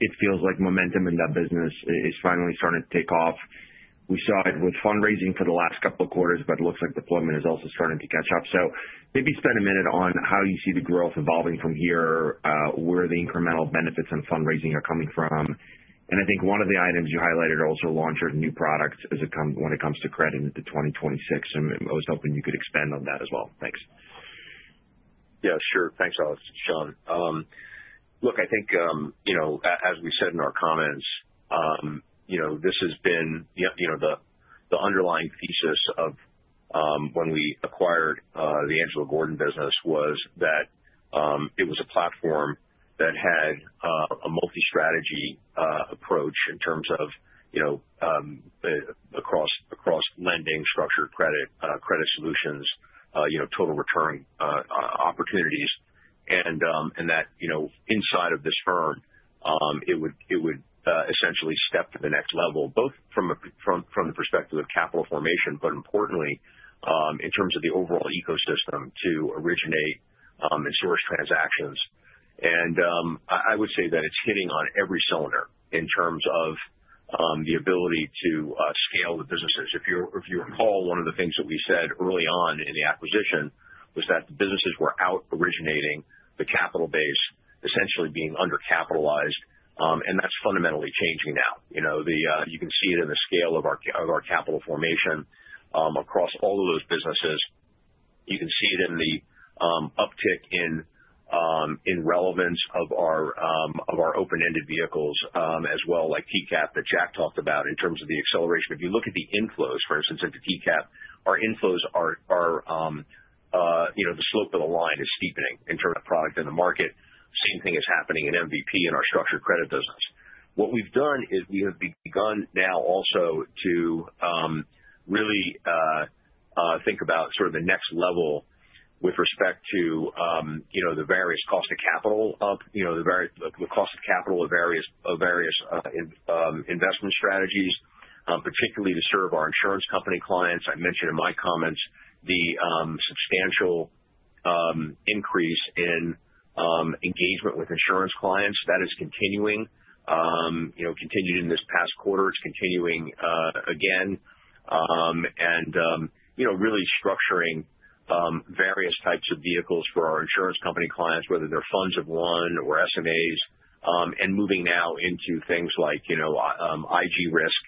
It feels like momentum in that business is finally starting to take off. We saw it with fundraising for the last couple of quarters, but it looks like deployment is also starting to catch up. So maybe spend a minute on how you see the growth evolving from here, where the incremental benefits and fundraising are coming from. And I think one of the items you highlighted also launched a new product when it comes to credit into 2026. I was hoping you could expand on that as well. Thanks. Yeah, sure. Thanks, Alex. It's Jon. Look, I think, as we said in our comments, this has been the underlying thesis of when we acquired the Angelo Gordon business was that it was a platform that had a multi-strategy approach in terms of across lending, Structured Credit, Credit Solutions, total return opportunities. That inside of this firm, it would essentially step to the next level, both from the perspective of capital formation, but importantly, in terms of the overall ecosystem to originate and source transactions. I would say that it's hitting on every cylinder in terms of the ability to scale the businesses. If you recall, one of the things that we said early on in the acquisition was that the businesses were out originating, the capital base essentially being undercapitalized. That's fundamentally changing now. You can see it in the scale of our capital formation across all of those businesses. You can see it in the uptick in relevance of our open-ended vehicles as well, like TCAP that Jack talked about in terms of the acceleration. If you look at the inflows, for instance, into TCAP, our inflows are the slope of the line is steepening in terms of product in the market. Same thing is happening in MVP and our Structured Credit business. What we've done is we have begun now also to really think about sort of the next level with respect to the various cost of capital of the cost of capital of various investment strategies, particularly to serve our insurance company clients. I mentioned in my comments the substantial increase in engagement with insurance clients. That is continuing. Continued in this past quarter. It's continuing again. And really structuring various types of vehicles for our insurance company clients, whether they're funds of one or SMAs, and moving now into things like IG risk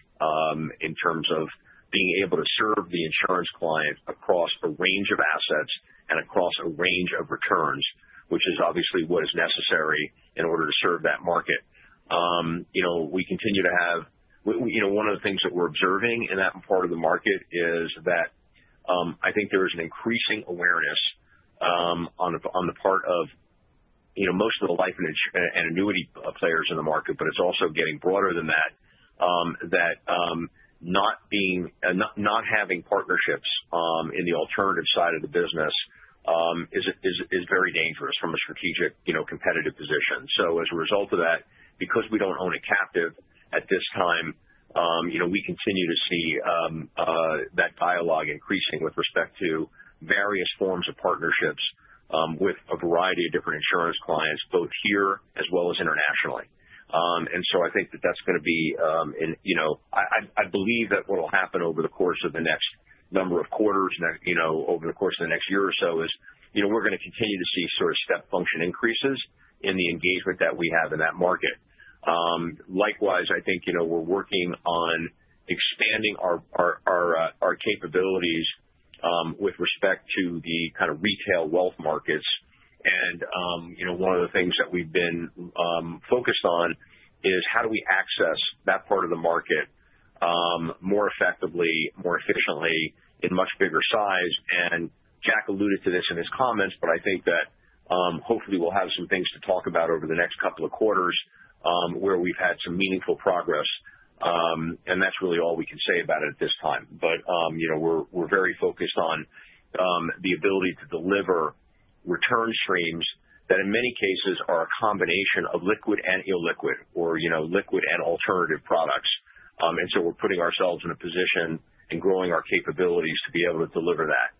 in terms of being able to serve the insurance client across a range of assets and across a range of returns, which is obviously what is necessary in order to serve that market. We continue to have one of the things that we're observing in that part of the market is that I think there is an increasing awareness on the part of most of the life and annuity players in the market, but it's also getting broader than that, that not having partnerships in the alternative side of the business is very dangerous from a strategic competitive position. So as a result of that, because we don't own a captive at this time, we continue to see that dialogue increasing with respect to various forms of partnerships with a variety of different insurance clients, both here as well as internationally. And so I think that that's going to be. I believe that what will happen over the course of the next number of quarters, over the course of the next year or so, is we're going to continue to see sort of step function increases in the engagement that we have in that market. Likewise, I think we're working on expanding our capabilities with respect to the kind of retail wealth markets. And one of the things that we've been focused on is how do we access that part of the market more effectively, more efficiently in much bigger size. Jack alluded to this in his comments, but I think that hopefully we'll have some things to talk about over the next couple of quarters where we've had some meaningful progress. That's really all we can say about it at this time. We're very focused on the ability to deliver return streams that in many cases are a combination of liquid and illiquid or liquid and alternative products. We're putting ourselves in a position and growing our capabilities to be able to deliver that.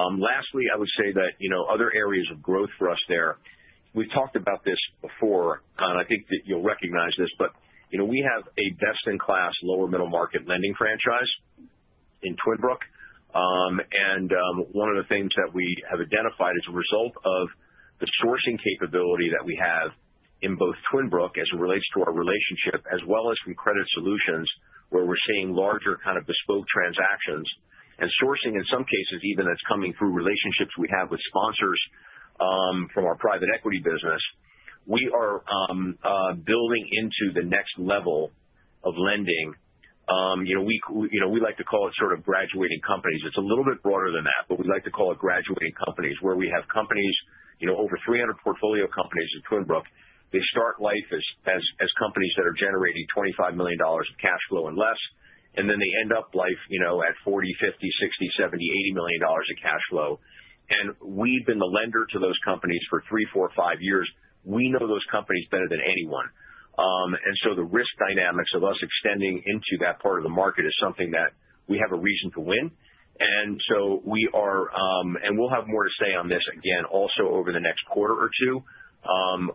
Lastly, I would say that other areas of growth for us there, we've talked about this before, and I think that you'll recognize this, but we have a best-in-class lower middle market lending franchise in Twin Brook. One of the things that we have identified as a result of the sourcing capability that we have in both Twin Brook as it relates to our relationship, as well as from Credit Solutions, where we're seeing larger kind of bespoke transactions and sourcing in some cases, even that's coming through relationships we have with sponsors from our private equity business, we are building into the next level of lending. We like to call it sort of graduating companies. It's a little bit broader than that, but we like to call it graduating companies where we have companies, over 300 portfolio companies in Twin Brook. They start life as companies that are generating $25 million of cash flow and less, and then they end up life at $40 million, $50 million, $60 million, $70 million, $80 million of cash flow. We've been the lender to those companies for three, four, five years. We know those companies better than anyone. And so the risk dynamics of us extending into that part of the market is something that we have a reason to win. And so we are and we'll have more to say on this again also over the next quarter or two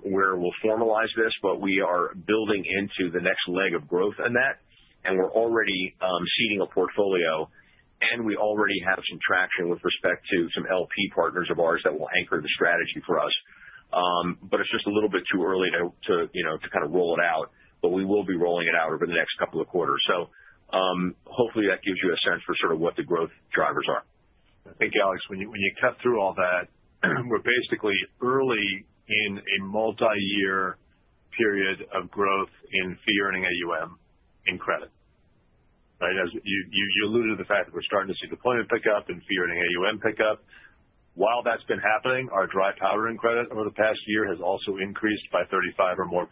where we'll formalize this, but we are building into the next leg of growth in that. And we're already seeding a portfolio, and we already have some traction with respect to some LP partners of ours that will anchor the strategy for us. But it's just a little bit too early to kind of roll it out, but we will be rolling it out over the next couple of quarters. So hopefully that gives you a sense for sort of what the growth drivers are. I think, Alex, when you cut through all that, we're basically early in a multi-year period of growth in fee-earning AUM in credit. Right? You alluded to the fact that we're starting to see deployment pickup and fee-earning AUM pickup. While that's been happening, our dry powder in credit over the past year has also increased by 35% or more.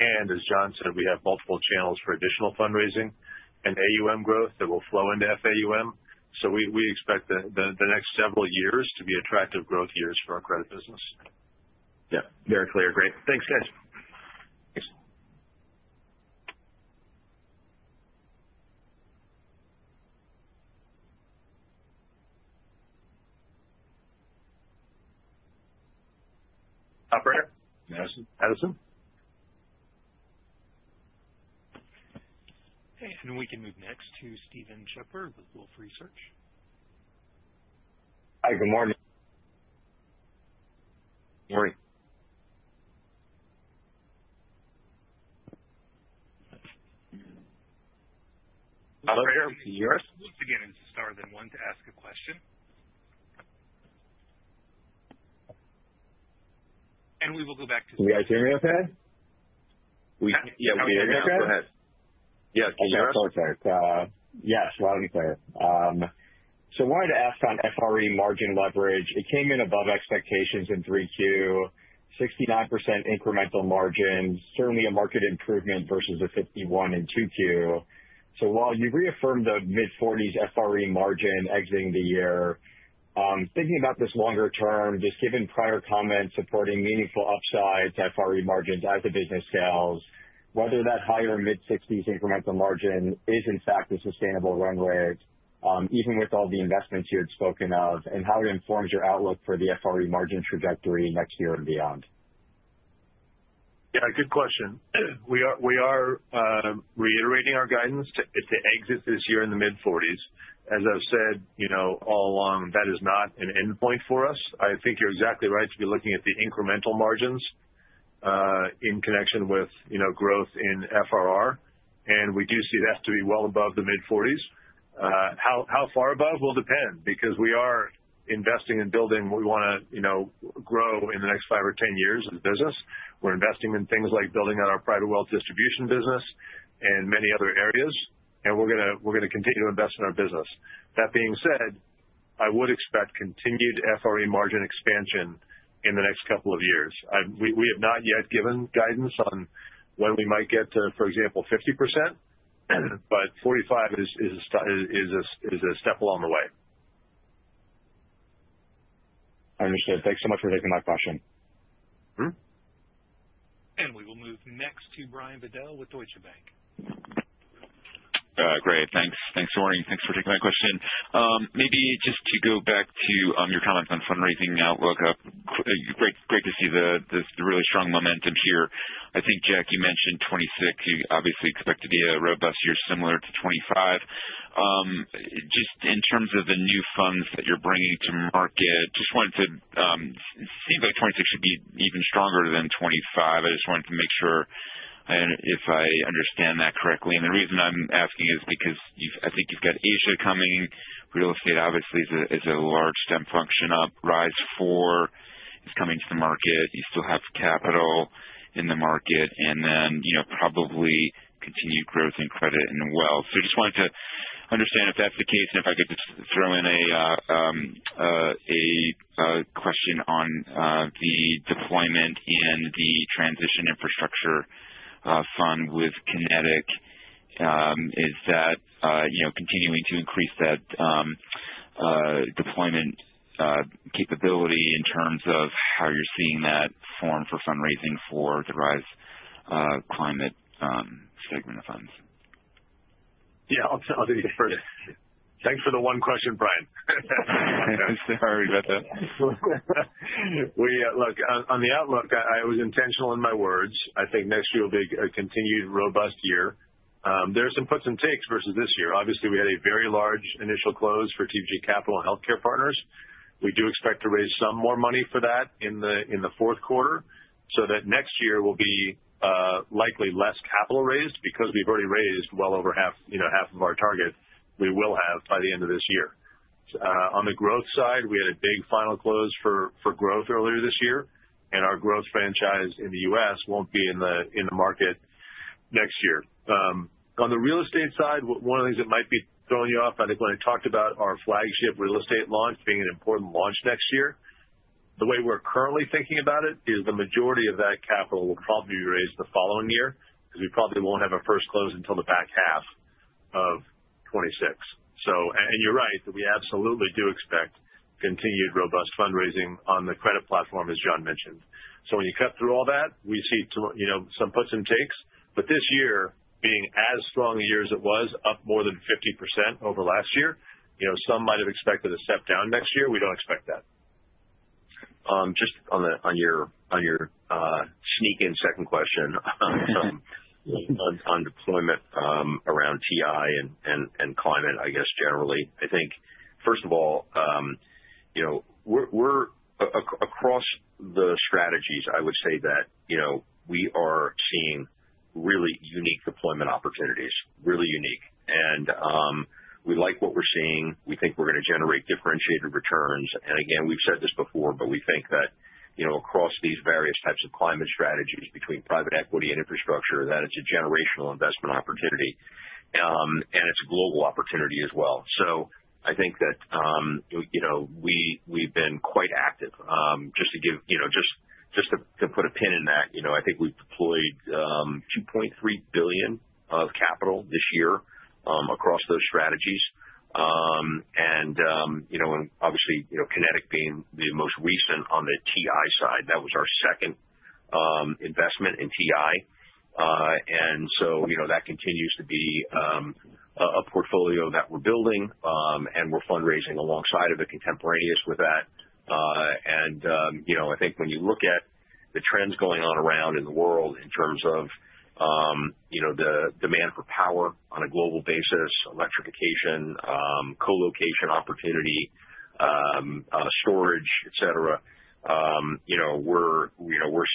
And as Jon said, we have multiple channels for additional fundraising and AUM growth that will flow into fee-earning AUM. So we expect the next several years to be attractive growth years for our credit business. Yeah. Very clear. Great. Thanks, guys. Operator? Madison. Madison? Okay. And we can move next to Steven Chubak with Wolfe Research. Hi. Good morning. Morning. Operator? You're once again in star then one to ask a question. And we will go back to Steven. Are we hearing okay? Yeah. We're hearing okay? Yeah. Can you hear us okay? Yes. Loud and clear. So wanted to ask on FRE margin leverage. It came in above expectations in 3Q, 69% incremental margin, certainly a marked improvement versus the 51% in 2Q. So while you reaffirmed the mid-40s FRE margin exiting the year, thinking about this longer term, just given prior comments supporting meaningful upsides to FRE margins as the business scales, whether that higher mid-60s incremental margin is in fact a sustainable runway, even with all the investments you had spoken of, and how it informs your outlook for the FRE margin trajectory next year and beyond? Yeah. Good question. We are reiterating our guidance to exit this year in the mid-40s. As I've said all along, that is not an endpoint for us. I think you're exactly right to be looking at the incremental margins in connection with growth in FRE. We do see that to be well above the mid-40s. How far above will depend because we are investing in building what we want to grow in the next five or 10 years of the business. We're investing in things like building out our private wealth distribution business and many other areas. We're going to continue to invest in our business. That being said, I would expect continued FRE margin expansion in the next couple of years. We have not yet given guidance on when we might get to, for example, 50%, but 45% is a step along the way. Understood. Thanks so much for taking my question. We will move next to Brian Bedell with Deutsche Bank. Great. Thanks. Thanks for taking my question. Maybe just to go back to your comments on fundraising outlook. Great to see the really strong momentum here. I think, Jack, you mentioned 2026. You obviously expect to be a robust year similar to 2025. Just in terms of the new funds that you're bringing to market, just wanted to see if 2026 should be even stronger than 2025. I just wanted to make sure if I understand that correctly, and the reason I'm asking is because I think you've got Asia coming. Real estate, obviously, is a large team function up. Rise IV is coming to the market. You still have capital in the market, and then probably continued growth in credit and wealth. So just wanted to understand if that's the case, and if I could just throw in a question on the deployment and the Transition Infrastructure fund with Kinetic, is that continuing to increase that deployment capability in terms of how you're seeing that form for fundraising for the Rise Climate segment of funds? Yeah. I'll do you first. Thanks for the one question, Brian. Sorry about that. Look, on the outlook, I was intentional in my words. I think next year will be a continued robust year. There are some puts and takes versus this year. Obviously, we had a very large initial close for TPG Capital and Healthcare Partners. We do expect to raise some more money for that in the fourth quarter so that next year will be likely less capital raised because we've already raised well over half of our target we will have by the end of this year. On the growth side, we had a big final close for growth earlier this year, and our growth franchise in the U.S. won't be in the market next year. On the real estate side, one of the things that might be throwing you off, I think when I talked about our flagship real estate launch being an important launch next year, the way we're currently thinking about it is the majority of that capital will probably be raised the following year because we probably won't have a first close until the back half of 2026. And you're right that we absolutely do expect continued robust fundraising on the credit platform, as Jon mentioned. So when you cut through all that, we see some puts and takes. But this year, being as strong a year as it was, up more than 50% over last year, some might have expected a step down next year. We don't expect that. Just on your sneak-in second question on deployment around TI and climate, I guess, generally, I think, first of all, we're across the strategies, I would say that we are seeing really unique deployment opportunities, really unique. And we like what we're seeing. We think we're going to generate differentiated returns. And again, we've said this before, but we think that across these various types of climate strategies between private equity and infrastructure, that it's a generational investment opportunity. And it's a global opportunity as well. So I think that we've been quite active. Just to give just to put a pin in that, I think we've deployed $2.3 billion of capital this year across those strategies. And obviously, Kinetic being the most recent on the TI side, that was our second investment in TI. And so that continues to be a portfolio that we're building. And we're fundraising alongside of the contemporaneous with that. And I think when you look at the trends going on around in the world in terms of the demand for power on a global basis, electrification, colocation opportunity, storage, etc., we're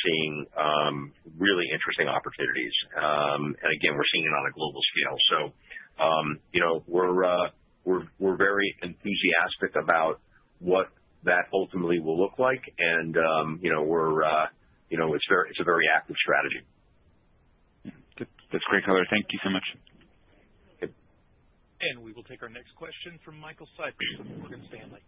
seeing really interesting opportunities. And again, we're seeing it on a global scale. So we're very enthusiastic about what that ultimately will look like. And it's a very active strategy. That's great, color. Thank you so much. And we will take our next question from Michael Cyprys of Morgan Stanley.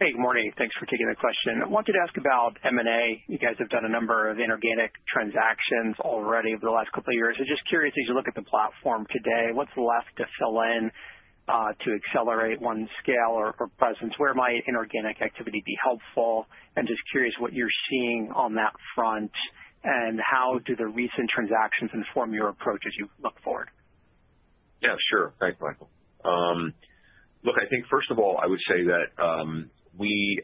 Hey. Good morning. Thanks for taking the question. I wanted to ask about M&A. You guys have done a number of inorganic transactions already over the last couple of years. I'm just curious, as you look at the platform today, what's left to fill in to accelerate one's scale or presence? Where might inorganic activity be helpful? And just curious, what you're seeing on that front and how do the recent transactions inform your approach as you look forward? Yeah. Sure. Thanks, Michael. Look, I think, first of all, I would say that we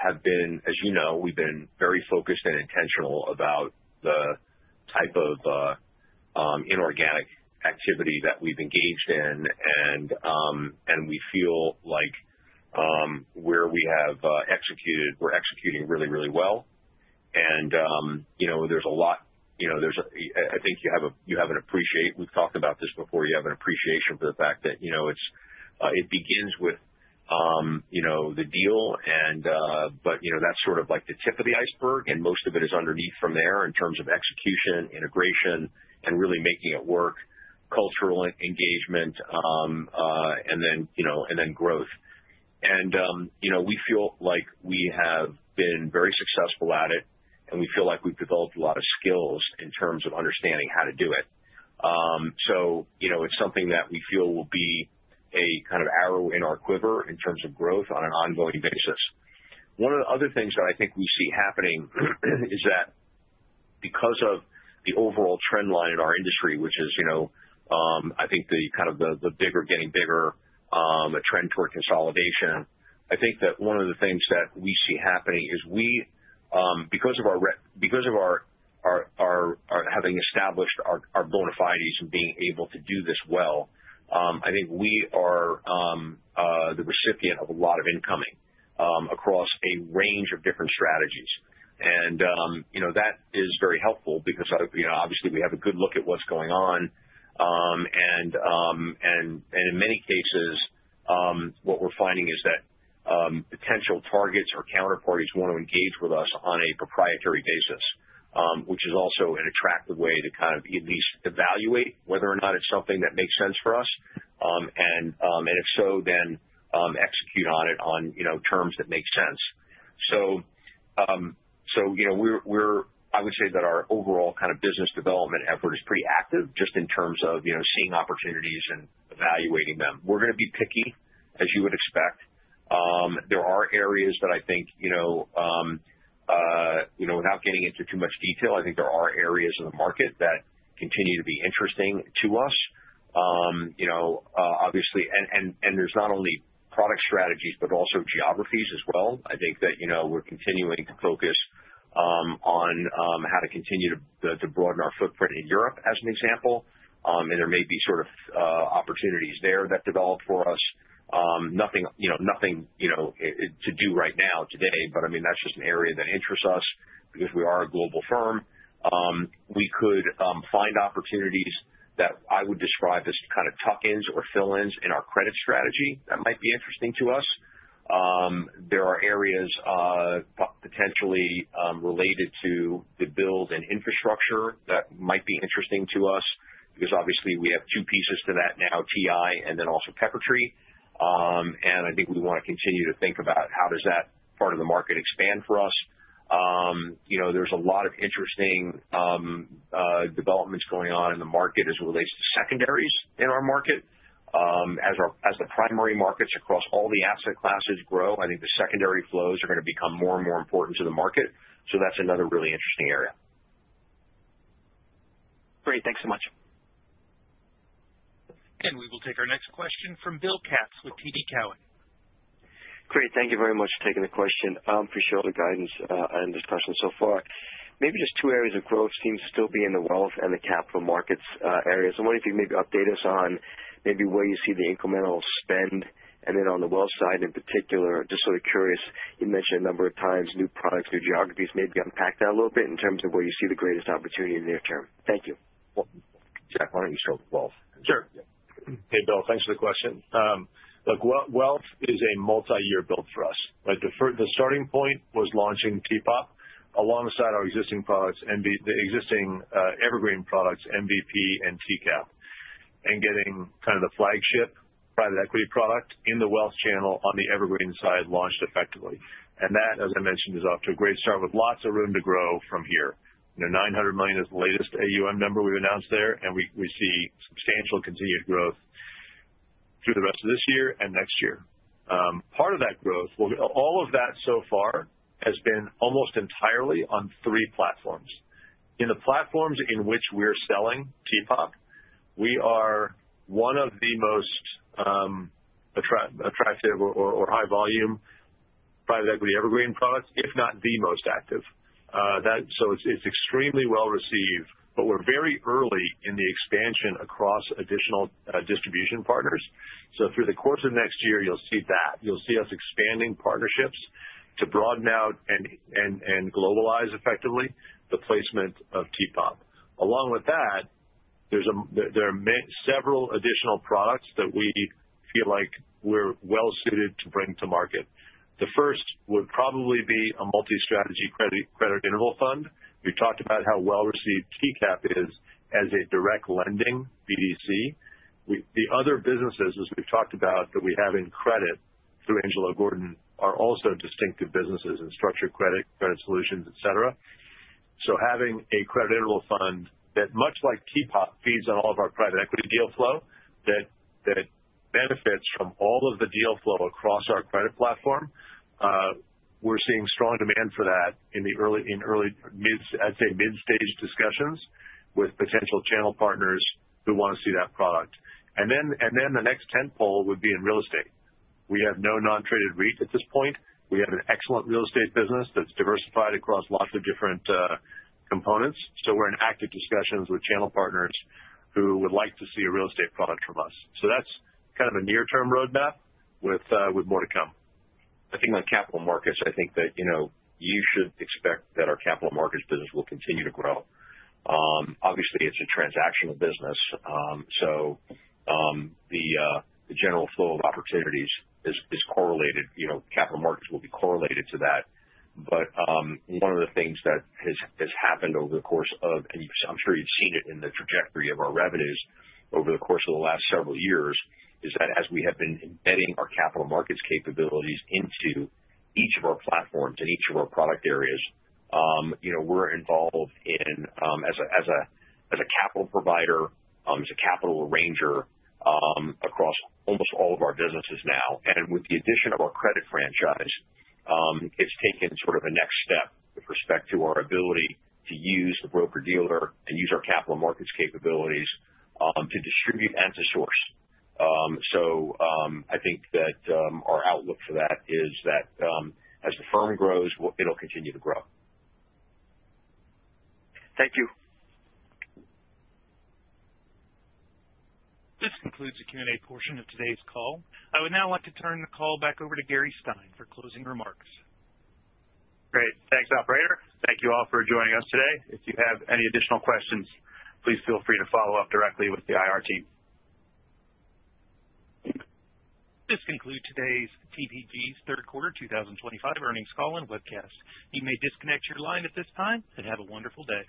have been, as you know, we've been very focused and intentional about the type of inorganic activity that we've engaged in. And we feel like where we have executed, we're executing really, really well. And there's a lot, I think—we've talked about this before—you have an appreciation for the fact that it begins with the deal. But that's sort of like the tip of the iceberg. And most of it is underneath from there in terms of execution, integration, and really making it work, cultural engagement, and then growth. And we feel like we have been very successful at it. We feel like we've developed a lot of skills in terms of understanding how to do it. So it's something that we feel will be a kind of arrow in our quiver in terms of growth on an ongoing basis. One of the other things that I think we see happening is that because of the overall trend line in our industry, which is, I think, kind of the bigger getting bigger, a trend toward consolidation, I think that one of the things that we see happening is we, because of our having established our bona fides and being able to do this well, I think we are the recipient of a lot of incoming across a range of different strategies. And that is very helpful because, obviously, we have a good look at what's going on. And in many cases, what we're finding is that potential targets or counterparties want to engage with us on a proprietary basis, which is also an attractive way to kind of at least evaluate whether or not it's something that makes sense for us. And if so, then execute on it on terms that make sense. So I would say that our overall kind of business development effort is pretty active just in terms of seeing opportunities and evaluating them. We're going to be picky, as you would expect. There are areas that I think, without getting into too much detail, I think there are areas in the market that continue to be interesting to us, obviously. And there's not only product strategies but also geographies as well. I think that we're continuing to focus on how to continue to broaden our footprint in Europe, as an example. There may be sort of opportunities there that develop for us. Nothing to do right now today. I mean, that's just an area that interests us because we are a global firm. We could find opportunities that I would describe as kind of tuck-ins or fill-ins in our credit strategy that might be interesting to us. There are areas potentially related to the build and infrastructure that might be interesting to us because, obviously, we have two pieces to that now, TI and then also Peppertree. I think we want to continue to think about how does that part of the market expand for us. There's a lot of interesting developments going on in the market as it relates to secondaries in our market. As the primary markets across all the asset classes grow, I think the secondary flows are going to become more and more important to the market. So that's another really interesting area. Great. Thanks so much. and we will take our next question from Bill Katz with TD Cowen. Great. Thank you very much for taking the question. I appreciate all the guidance and discussion so far. Maybe just two areas of growth seem to still be in the wealth and the capital markets areas. I wonder if you can maybe update us on maybe where you see the incremental spend. And then on the wealth side in particular, just sort of curious, you mentioned a number of times new products, new geographies. Maybe unpack that a little bit in terms of where you see the greatest opportunity in the near term. Thank you. Jack, why don't you start with wealth? Sure. Hey, Bill. Thanks for the question. Look, wealth is a multi-year build for us. The starting point was launching TPOP alongside our existing products and the existing Evergreen products, MVP and TCAP, and getting kind of the flagship private equity product in the wealth channel on the Evergreen side launched effectively, and that, as I mentioned, is off to a great start with lots of room to grow from here. $900 million is the latest AUM number we've announced there, and we see substantial continued growth through the rest of this year and next year. Part of that growth, all of that so far has been almost entirely on three platforms. In the platforms in which we're selling TPOP, we are one of the most attractive or high-volume private equity Evergreen products, if not the most active, so it's extremely well received. But we're very early in the expansion across additional distribution partners. So through the course of next year, you'll see that. You'll see us expanding partnerships to broaden out and globalize effectively the placement of TPOP. Along with that, there are several additional products that we feel like we're well suited to bring to market. The first would probably be a multi-strategy credit interval fund. We've talked about how well received TCAP is as a direct lending BDC. The other businesses, as we've talked about, that we have in credit through Angelo Gordon are also distinctive businesses and Structured Credit, Credit Solutions, etc. So, having a credit interval fund that, much like TPOP, feeds on all of our private equity deal flow, that benefits from all of the deal flow across our credit platform, we're seeing strong demand for that in the early, I'd say, mid-stage discussions with potential channel partners who want to see that product. And then the next tentpole would be in real estate. We have no non-traded REIT at this point. We have an excellent real estate business that's diversified across lots of different components. So, we're in active discussions with channel partners who would like to see a real estate product from us. So, that's kind of a near-term roadmap with more to come. I think on capital markets, I think that you should expect that our capital markets business will continue to grow. Obviously, it's a transactional business. So, the general flow of opportunities is correlated. Capital markets will be correlated to that. But one of the things that has happened over the course of, and I'm sure you've seen it in the trajectory of our revenues over the course of the last several years, is that as we have been embedding our capital markets capabilities into each of our platforms and each of our product areas, we're involved as a capital provider, as a capital arranger across almost all of our businesses now. And with the addition of our credit franchise, it's taken sort of a next step with respect to our ability to use the broker-dealer and use our capital markets capabilities to distribute and to source. So I think that our outlook for that is that as the firm grows, it'll continue to grow. Thank you. This concludes the Q&A portion of today's call. I would now like to turn the call back over to Gary Stein for closing remarks. Great. Thanks, operator. Thank you all for joining us today. If you have any additional questions, please feel free to follow up directly with the IR team. This concludes today's TPG's Third Quarter 2025 Earnings Call and Webcast. You may disconnect your line at this time and have a wonderful day.